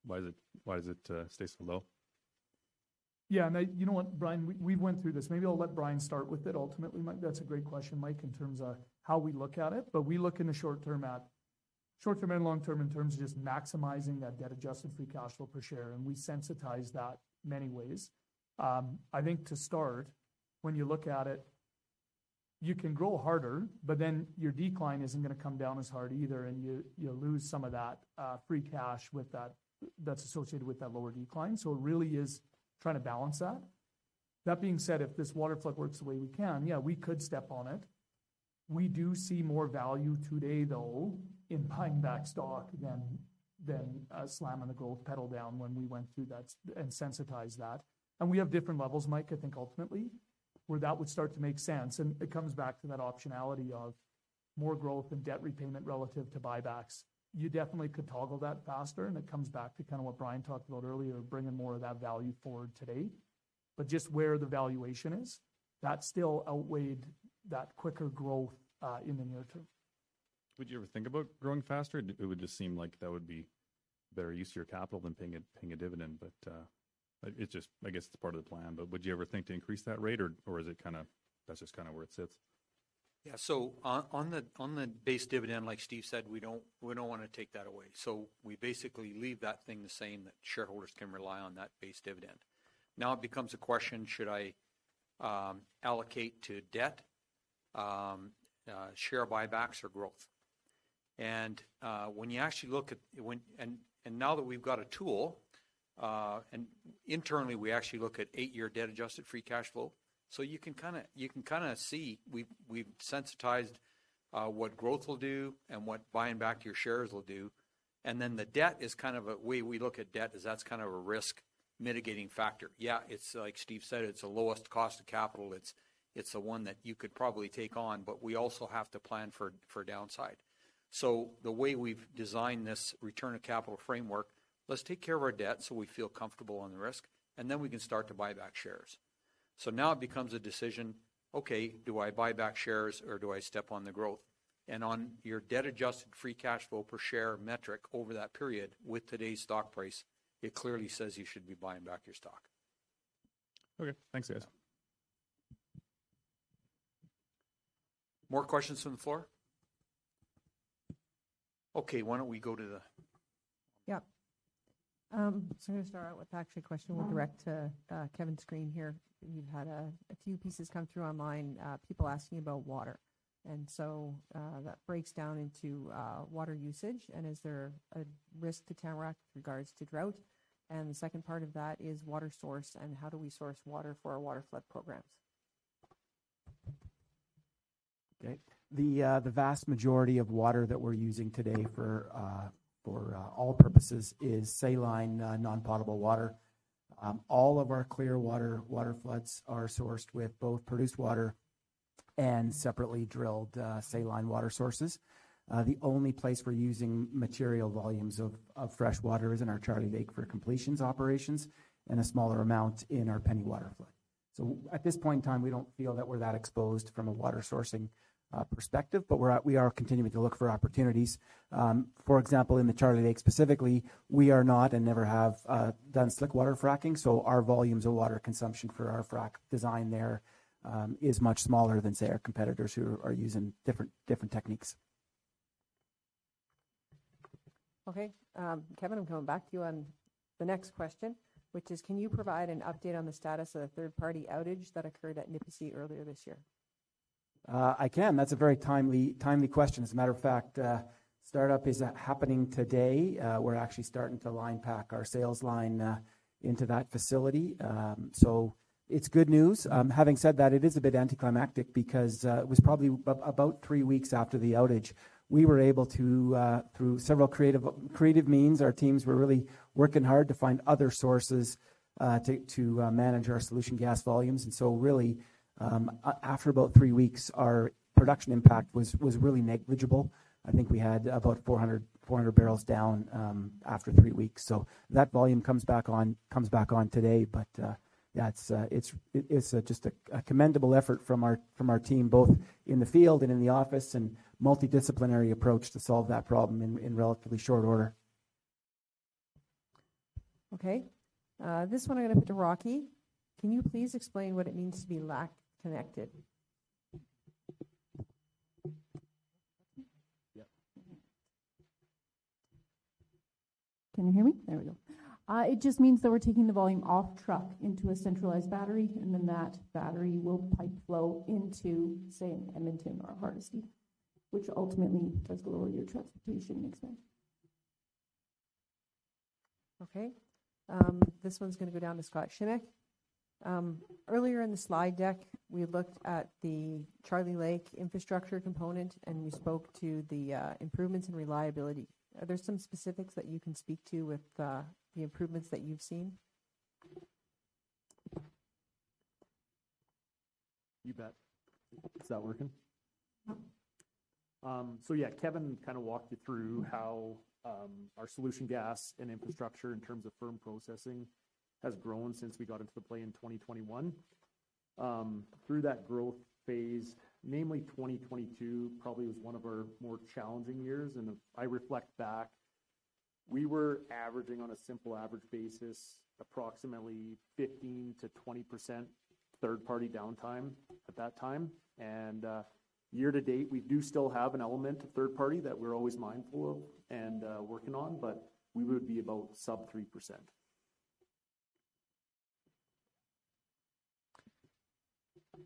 Why does it stay so low? Yeah. And you know what, Brian Schmidt? We went through this. Maybe I'll let BrianSchmidt start with it ultimately. That's a great question, Mike, in terms of how we look at it. But we look in the short term at short term and long term in terms of just maximizing that debt-adjusted free funds flow per share. And we sensitize that many ways. I think to start, when you look at it, you can grow harder, but then your decline isn't going to come down as hard either, and you lose some of that free funds flow that's associated with that lower decline. So it really is trying to balance that. That being said, if this waterflood works the way we can, yeah, we could step on it. We do see more value today, though, in buying back stock than slamming the growth pedal down when we went through that and sensitized that. And we have different levels, Mike, I think ultimately, where that would start to make sense. And it comes back to that optionality of more growth and debt repayment relative to buybacks. You definitely could toggle that faster. And it comes back to kind of what Brian Schmidt talked about earlier, bringing more of that value forward today. But just where the valuation is, that still outweighed that quicker growth in the near term. Would you ever think about growing faster? It would just seem like that would be better use of your capital than paying a dividend. But I guess it's part of the plan. But would you ever think to increase that rate, or is it kind of that's just kind of where it sits? Yeah. So on the base dividend, like Steve Buytels said, we don't want to take that away. So we basically leave that thing the same, that shareholders can rely on that base dividend. Now it becomes a question, should I allocate to debt, share buybacks, or growth? And when you actually look at and now that we've got a tool, and internally, we actually look at eight-year debt-adjusted free cash flow. So you can kind of see we've sensitized what growth will do and what buying back your shares will do. And then the debt is kind of a way we look at debt as that's kind of a risk mitigating factor. Yeah, it's like Steve Buytels said, it's the lowest cost of capital. It's the one that you could probably take on, but we also have to plan for downside. So the way we've designed this return of capital framework, let's take care of our debt so we feel comfortable on the risk, and then we can start to buy back shares. So now it becomes a decision, okay, do I buy back shares or do I step on the growth? And on your debt-adjusted free cash flow per share metric over that period with today's stock price, it clearly says you should be buying back your stock. Okay. Thanks, guys. More questions from the floor? Okay. Why don't we go to the. Yeah. So I'm going to start out with actually a question we'll direct to Kevin Screen here. We've had a few pieces come through online, people asking about water. And so that breaks down into water usage and is there a risk to Tamarack with regards to drought? And the second part of that is water source and how do we source water for our waterflood programs? Okay. The vast majority of water that we're using today for all purposes is saline non-potable water. All of our Clearwater waterfloods are sourced with both produced water and separately drilled saline water sources. The only place we're using material volumes of fresh water is in our Charlie Lake for completions operations and a smaller amount in our Peavine Waterflood. So at this point in time, we don't feel that we're that exposed from a water sourcing perspective, but we are continuing to look for opportunities. For example, in the Charlie Lake specifically, we are not and never have done slickwater fracking. So our volumes of water consumption for our frack design there is much smaller than, say, our competitors who are using different techniques. Okay. Kevin, I'm coming back to you on the next question, which is, can you provide an update on the status of the third-party outage that occurred at Nipisi earlier this year? I can. That's a very timely question. As a matter of fact, startup is happening today. We're actually starting to line pack our sales line into that facility. So it's good news. Having said that, it is a bit anticlimactic because it was probably about 3 weeks after the outage, we were able to, through several creative means, our teams were really working hard to find other sources to manage our solution gas volumes. And so really, after about 3 weeks, our production impact was really negligible. I think we had about 400 barrels down after 3 weeks. So that volume comes back on today. But yeah, it's just a commendable effort from our team, both in the field and in the office, and a multidisciplinary approach to solve that problem in relatively short order. Okay. This one I'm going to put to Rocky. Can you please explain what it means to be LACT connected? Yeah. Can you hear me? There we go. It just means that we're taking the volume off truck into a centralized battery, and then that battery will pipe flow into, say, Edmonton or Hardisty, which ultimately does lower your transportation expense. Okay. This one's going to go down to Scott Shimek. Earlier in the slide deck, we looked at the Charlie Lake infrastructure component, and we spoke to the improvements and reliability. Are there some specifics that you can speak to with the improvements that you've seen? You bet. Is that working? Yeah. So yeah, Kevin kind of walked you through how our solution gas and infrastructure in terms of firm processing has grown since we got into the play in 2021. Through that growth phase, namely 2022, probably was one of our more challenging years. If I reflect back, we were averaging on a simple average basis, approximately 15%-20% third-party downtime at that time. Year to date, we do still have an element of third-party that we're always mindful of and working on, but we would be about sub 3%.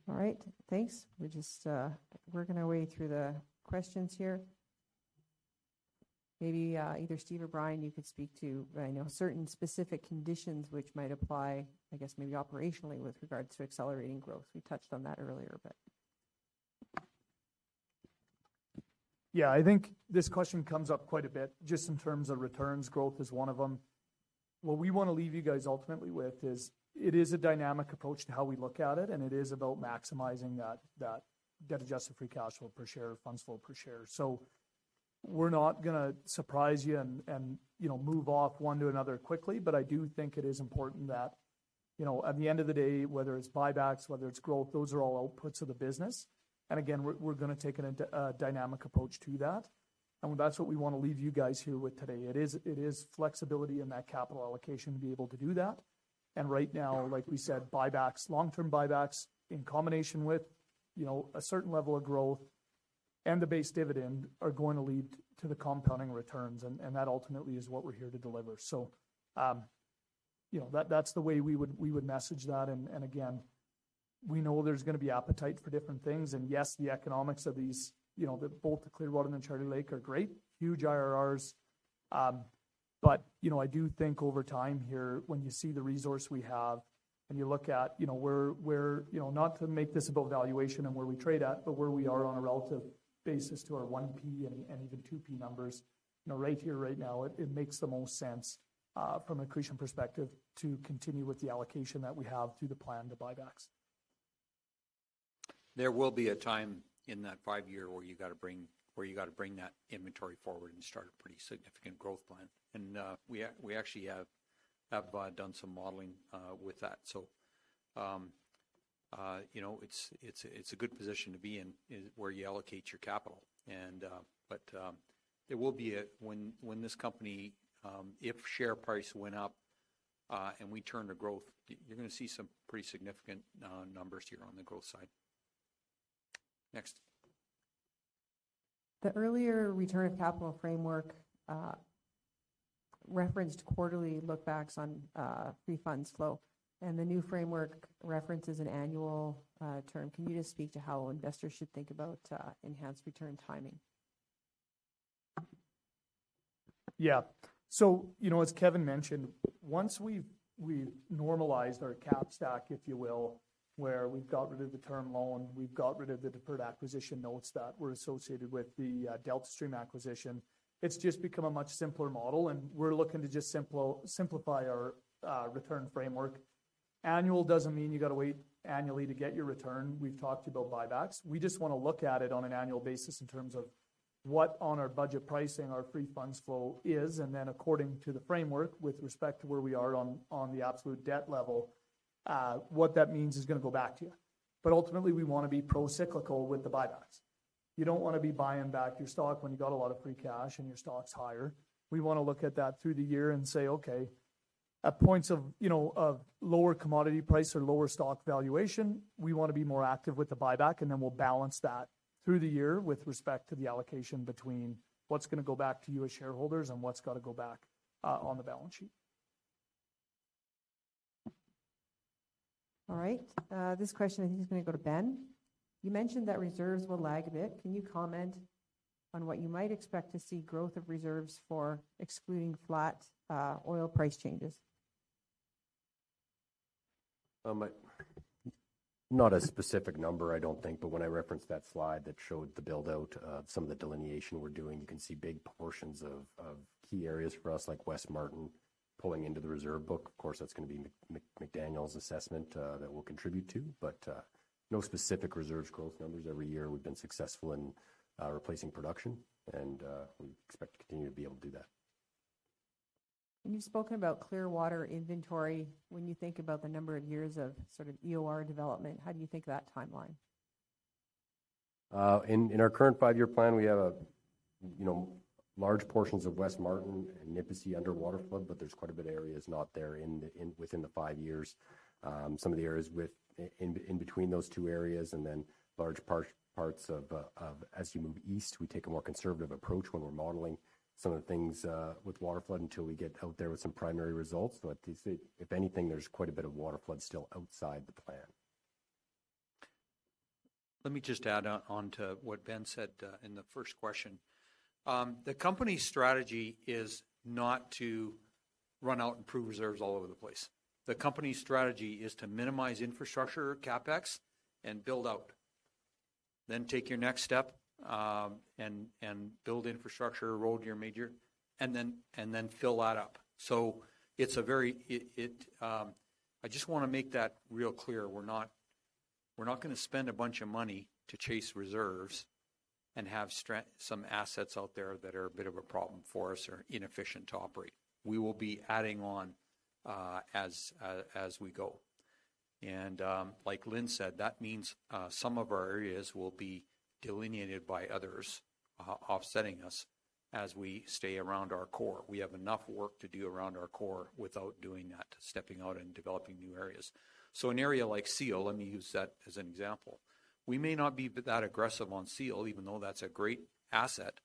All right. Thanks. We're working our way through the questions here. Maybe either Steve Buytels or Brian Schmidt, you could speak to, I know, certain specific conditions which might apply, I guess, maybe operationally with regards to accelerating growth. We touched on that earlier, but. Yeah, I think this question comes up quite a bit just in terms of returns. Growth is one of them. What we want to leave you guys ultimately with is, it is a dynamic approach to how we look at it, and it is about maximizing that debt-adjusted free cash flow per share, funds flow per share. So we're not going to surprise you and move off one to another quickly, but I do think it is important that at the end of the day, whether it's buybacks, whether it's growth, those are all outputs of the business. And again, we're going to take a dynamic approach to that. And that's what we want to leave you guys here with today. It is flexibility in that capital allocation to be able to do that. And right now, like we said, buybacks, long-term buybacks in combination with a certain level of growth and the base dividend are going to lead to the compounding returns. And that ultimately is what we're here to deliver. So that's the way we would message that. And again, we know there's going to be appetite for different things. And yes, the economics of both the Clearwater and the Charlie Lake are great, huge IRRs. But I do think over time here, when you see the resource we have and you look at where not to make this about valuation and where we trade at, but where we are on a relative basis to our 1P and even 2P numbers, right here, right now, it makes the most sense from an accretion perspective to continue with the allocation that we have through the plan to buybacks. There will be a time in that five-year where you got to bring that inventory forward and start a pretty significant growth plan. We actually have done some modeling with that. It's a good position to be in where you allocate your capital. There will be a when this company, if share price went up and we turned to growth, you're going to see some pretty significant numbers here on the growth side. Next. The earlier return of capital framework referenced quarterly lookbacks on free funds flow. The new framework references an annual term. Can you just speak to how investors should think about enhanced return timing? Yeah. So as Kevin mentioned, once we've normalized our cap stack, if you will, where we've got rid of the term loan, we've got rid of the deferred acquisition notes that were associated with the Delta Stream acquisition, it's just become a much simpler model. And we're looking to just simplify our return framework. Annual doesn't mean you got to wait annually to get your return. We've talked about buybacks. We just want to look at it on an annual basis in terms of what, on our budget pricing, our free funds flow is. And then according to the framework, with respect to where we are on the absolute debt level, what that means is going to go back to you. But ultimately, we want to be pro-cyclical with the buybacks. You don't want to be buying back your stock when you got a lot of free cash and your stock's higher. We want to look at that through the year and say, okay, at points of lower commodity price or lower stock valuation, we want to be more active with the buyback. And then we'll balance that through the year with respect to the allocation between what's going to go back to you as shareholders and what's got to go back on the balance sheet. All right. This question, I think, is going to go to Ben Stoodley. You mentioned that reserves will lag a bit. Can you comment on what you might expect to see growth of reserves for excluding flat oil price changes? Not a specific number, I don't think. But when I referenced that slide that showed the buildout of some of the delineation we're doing, you can see big portions of key areas for us, like West Marten pulling into the reserve book. Of course, that's going to be McDaniel's & Associates assessment that we'll contribute to. But no specific reserves growth numbers. Every year, we've been successful in replacing production. And we expect to continue to be able to do that. You've spoken about Clearwater inventory. When you think about the number of years of sort of EOR development, how do you think that timeline? In our current five-year plan, we have large portions of West Marten and Nipisi under waterflood, but there's quite a bit of areas not there within the five years. Some of the areas in between those two areas and then large parts of as you move east, we take a more conservative approach when we're modeling some of the things with waterflood until we get out there with some primary results. But if anything, there's quite a bit of waterflood still outside the plan. Let me just add on to what Ben Stoodley said in the first question. The company's strategy is not to run out and prove reserves all over the place. The company's strategy is to minimize infrastructure, CapEx, and build out. Then take your next step and build infrastructure, road your major, and then fill that up. So, it's a very, I just want to make that real clear. We're not going to spend a bunch of money to chase reserves and have some assets out there that are a bit of a problem for us or inefficient to operate. We will be adding on as we go. And like Lynne said, that means some of our areas will be delineated by others offsetting us as we stay around our core. We have enough work to do around our core without doing that, stepping out and developing new areas. So an area like Seal, let me use that as an example. We may not be that aggressive on Seal, even though that's a great asset.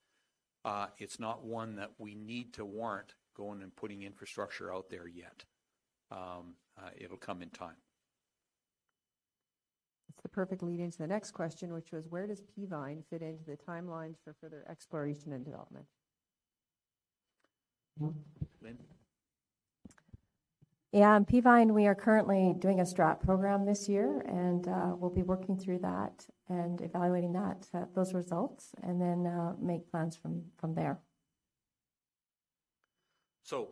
It's not one that we need to warrant going and putting infrastructure out there yet. It'll come in time. That's the perfect lead into the next question, which was, where does Peavine fit into the timelines for further exploration and development? Lynne Chrumka. Yeah. Peavine, we are currently doing a strat program this year, and we'll be working through that and evaluating those results and then make plans from there. So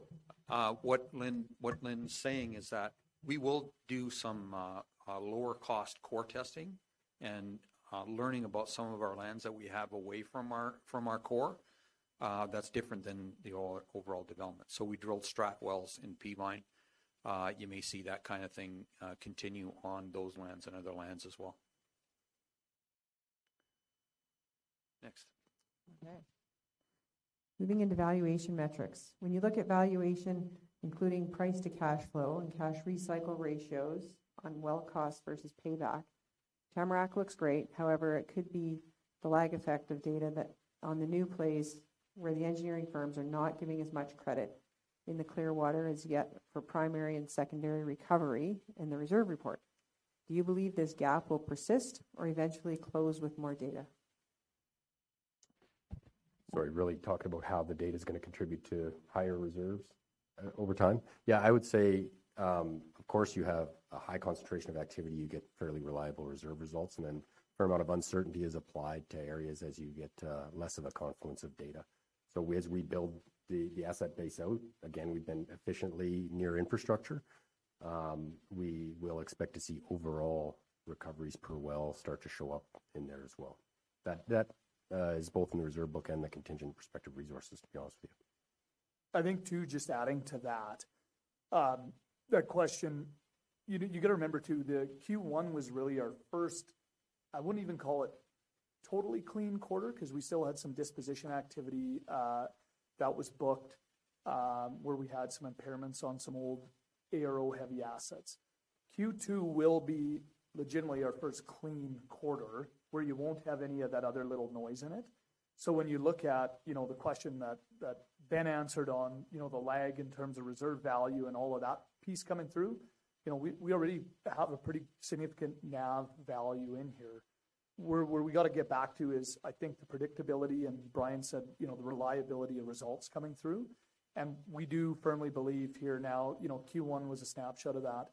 what Lynne's Chrumka saying is that we will do some lower-cost core testing and learning about some of our lands that we have away from our core. That's different than the overall development. So we drilled strat wells in Peavine. You may see that kind of thing continue on those lands and other lands as well. Next. Okay. Moving into valuation metrics. When you look at valuation, including price to cash flow and cash recycle ratios on well cost versus payback, Tamarack looks great. However, it could be the lag effect of data that on the new plays where the engineering firms are not giving as much credit in the Clearwater as yet for primary and secondary recovery in the reserve report. Do you believe this gap will persist or eventually close with more data? So are you really talking about how the data is going to contribute to higher reserves over time? Yeah, I would say, of course, you have a high concentration of activity. You get fairly reliable reserve results. And then a fair amount of uncertainty is applied to areas as you get less of a confluence of data. So as we build the asset base out, again, we've been efficiently near infrastructure. We will expect to see overall recoveries per well start to show up in there as well. That is both in the reserve book and the contingent prospective resources, to be honest with you. I think, too, just adding to that, that question, you got to remember, too, the Q1 was really our first. I wouldn't even call it totally clean quarter because we still had some disposition activity that was booked where we had some impairments on some old ARO-heavy assets. Q2 will be legitimately our first clean quarter where you won't have any of that other little noise in it. So when you look at the question that Ben Stoodley answered on the lag in terms of reserve value and all of that piece coming through, we already have a pretty significant NAV value in here. Where we got to get back to is, I think, the predictability and Brian Schmidt said the reliability of results coming through. And we do firmly believe here now, Q1 was a snapshot of that.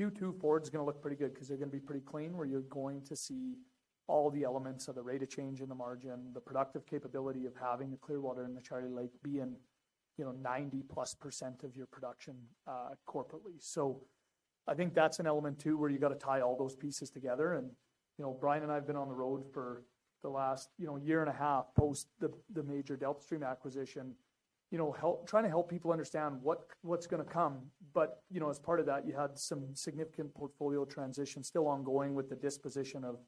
Q2 forward is going to look pretty good because they're going to be pretty clean where you're going to see all the elements of the rate of change in the margin, the productive capability of having the Clearwater and the Charlie Lake be in 90%+ of your production corporately. So I think that's an element, too, where you got to tie all those pieces together. And Brian and I have been on the road for the last year and a half post the major Delta Stream acquisition, trying to help people understand what's going to come. But as part of that, you had some significant portfolio transition still ongoing with the disposition of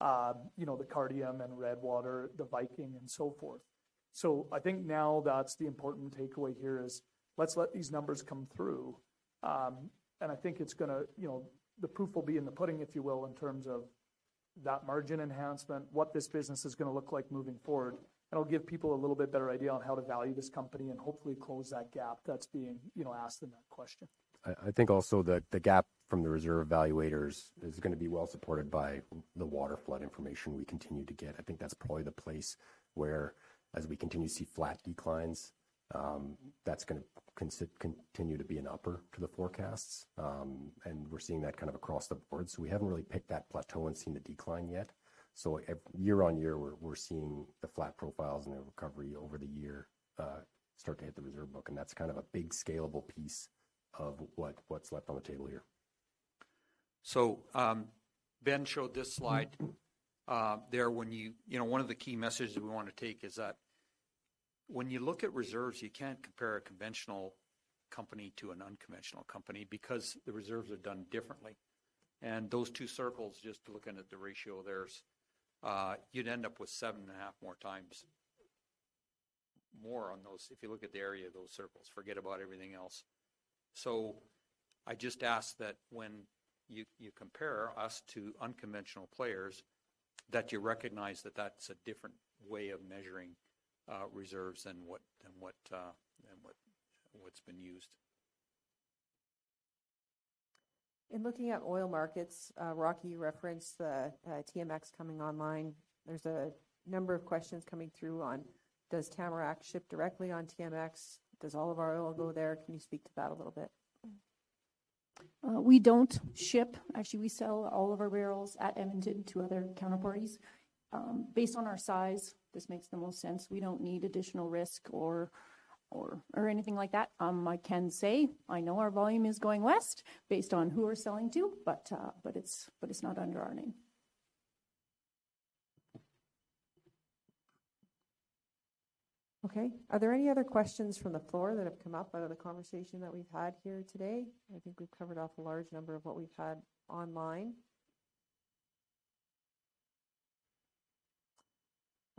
the Cardium and Redwater, the Viking, and so forth. So I think now that's the important takeaway here is let's let these numbers come through. I think the proof will be in the pudding, if you will, in terms of that margin enhancement, what this business is going to look like moving forward. It'll give people a little bit better idea on how to value this company and hopefully close that gap that's being asked in that question. I think also the gap from the reserve evaluators is going to be well supported by the waterflood information we continue to get. I think that's probably the place where, as we continue to see flat declines, that's going to continue to be an upper to the forecasts. And we're seeing that kind of across the board. So we haven't really picked that plateau and seen the decline yet. So year on year, we're seeing the flat profiles and the recovery over the year start to hit the reserve book. And that's kind of a big scalable piece of what's left on the table here. So Ben showed this slide there when you one of the key messages we want to take is that when you look at reserves, you can't compare a conventional company to an unconventional company because the reserves are done differently. Those two circles, just looking at the ratio there, you'd end up with 7.5 more times more on those if you look at the area of those circles. Forget about everything else. I just ask that when you compare us to unconventional players, that you recognize that that's a different way of measuring reserves than what's been used. In looking at oil markets, Rocky referenced the TMX coming online. There's a number of questions coming through on, does Tamarack ship directly on TMX? Does all of our oil go there? Can you speak to that a little bit? We don't ship. Actually, we sell all of our barrels at Edmonton to other counterparties. Based on our size, this makes the most sense. We don't need additional risk or anything like that. I can say I know our volume is going west based on who we're selling to, but it's not under our name. Okay. Are there any other questions from the floor that have come up out of the conversation that we've had here today? I think we've covered off a large number of what we've had online.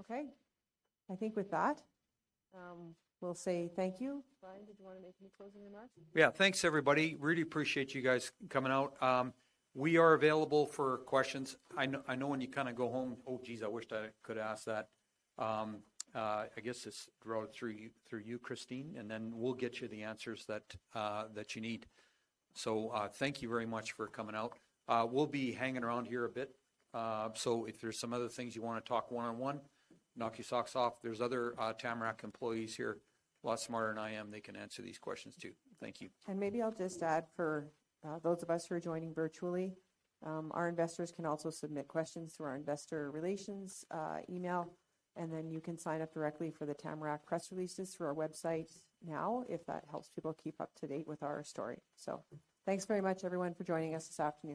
Okay. I think with that, we'll say thank you. Brian, did you want to make any closing remarks? Yeah. Thanks, everybody. Really appreciate you guys coming out. We are available for questions. I know when you kind of go home, "Oh, geez, I wish I could ask that." I guess it's routed through you, Christine, and then we'll get you the answers that you need. So thank you very much for coming out. We'll be hanging around here a bit. So if there's some other things you want to talk one-on-one, knock your socks off. There's other Tamarack employees here, a lot smarter than I am. They can answer these questions too. Thank you. Maybe I'll just add for those of us who are joining virtually, our investors can also submit questions through our investor relations email. Then you can sign up directly for the Tamarack press releases through our website now if that helps people keep up to date with our story. Thanks very much, everyone, for joining us this afternoon.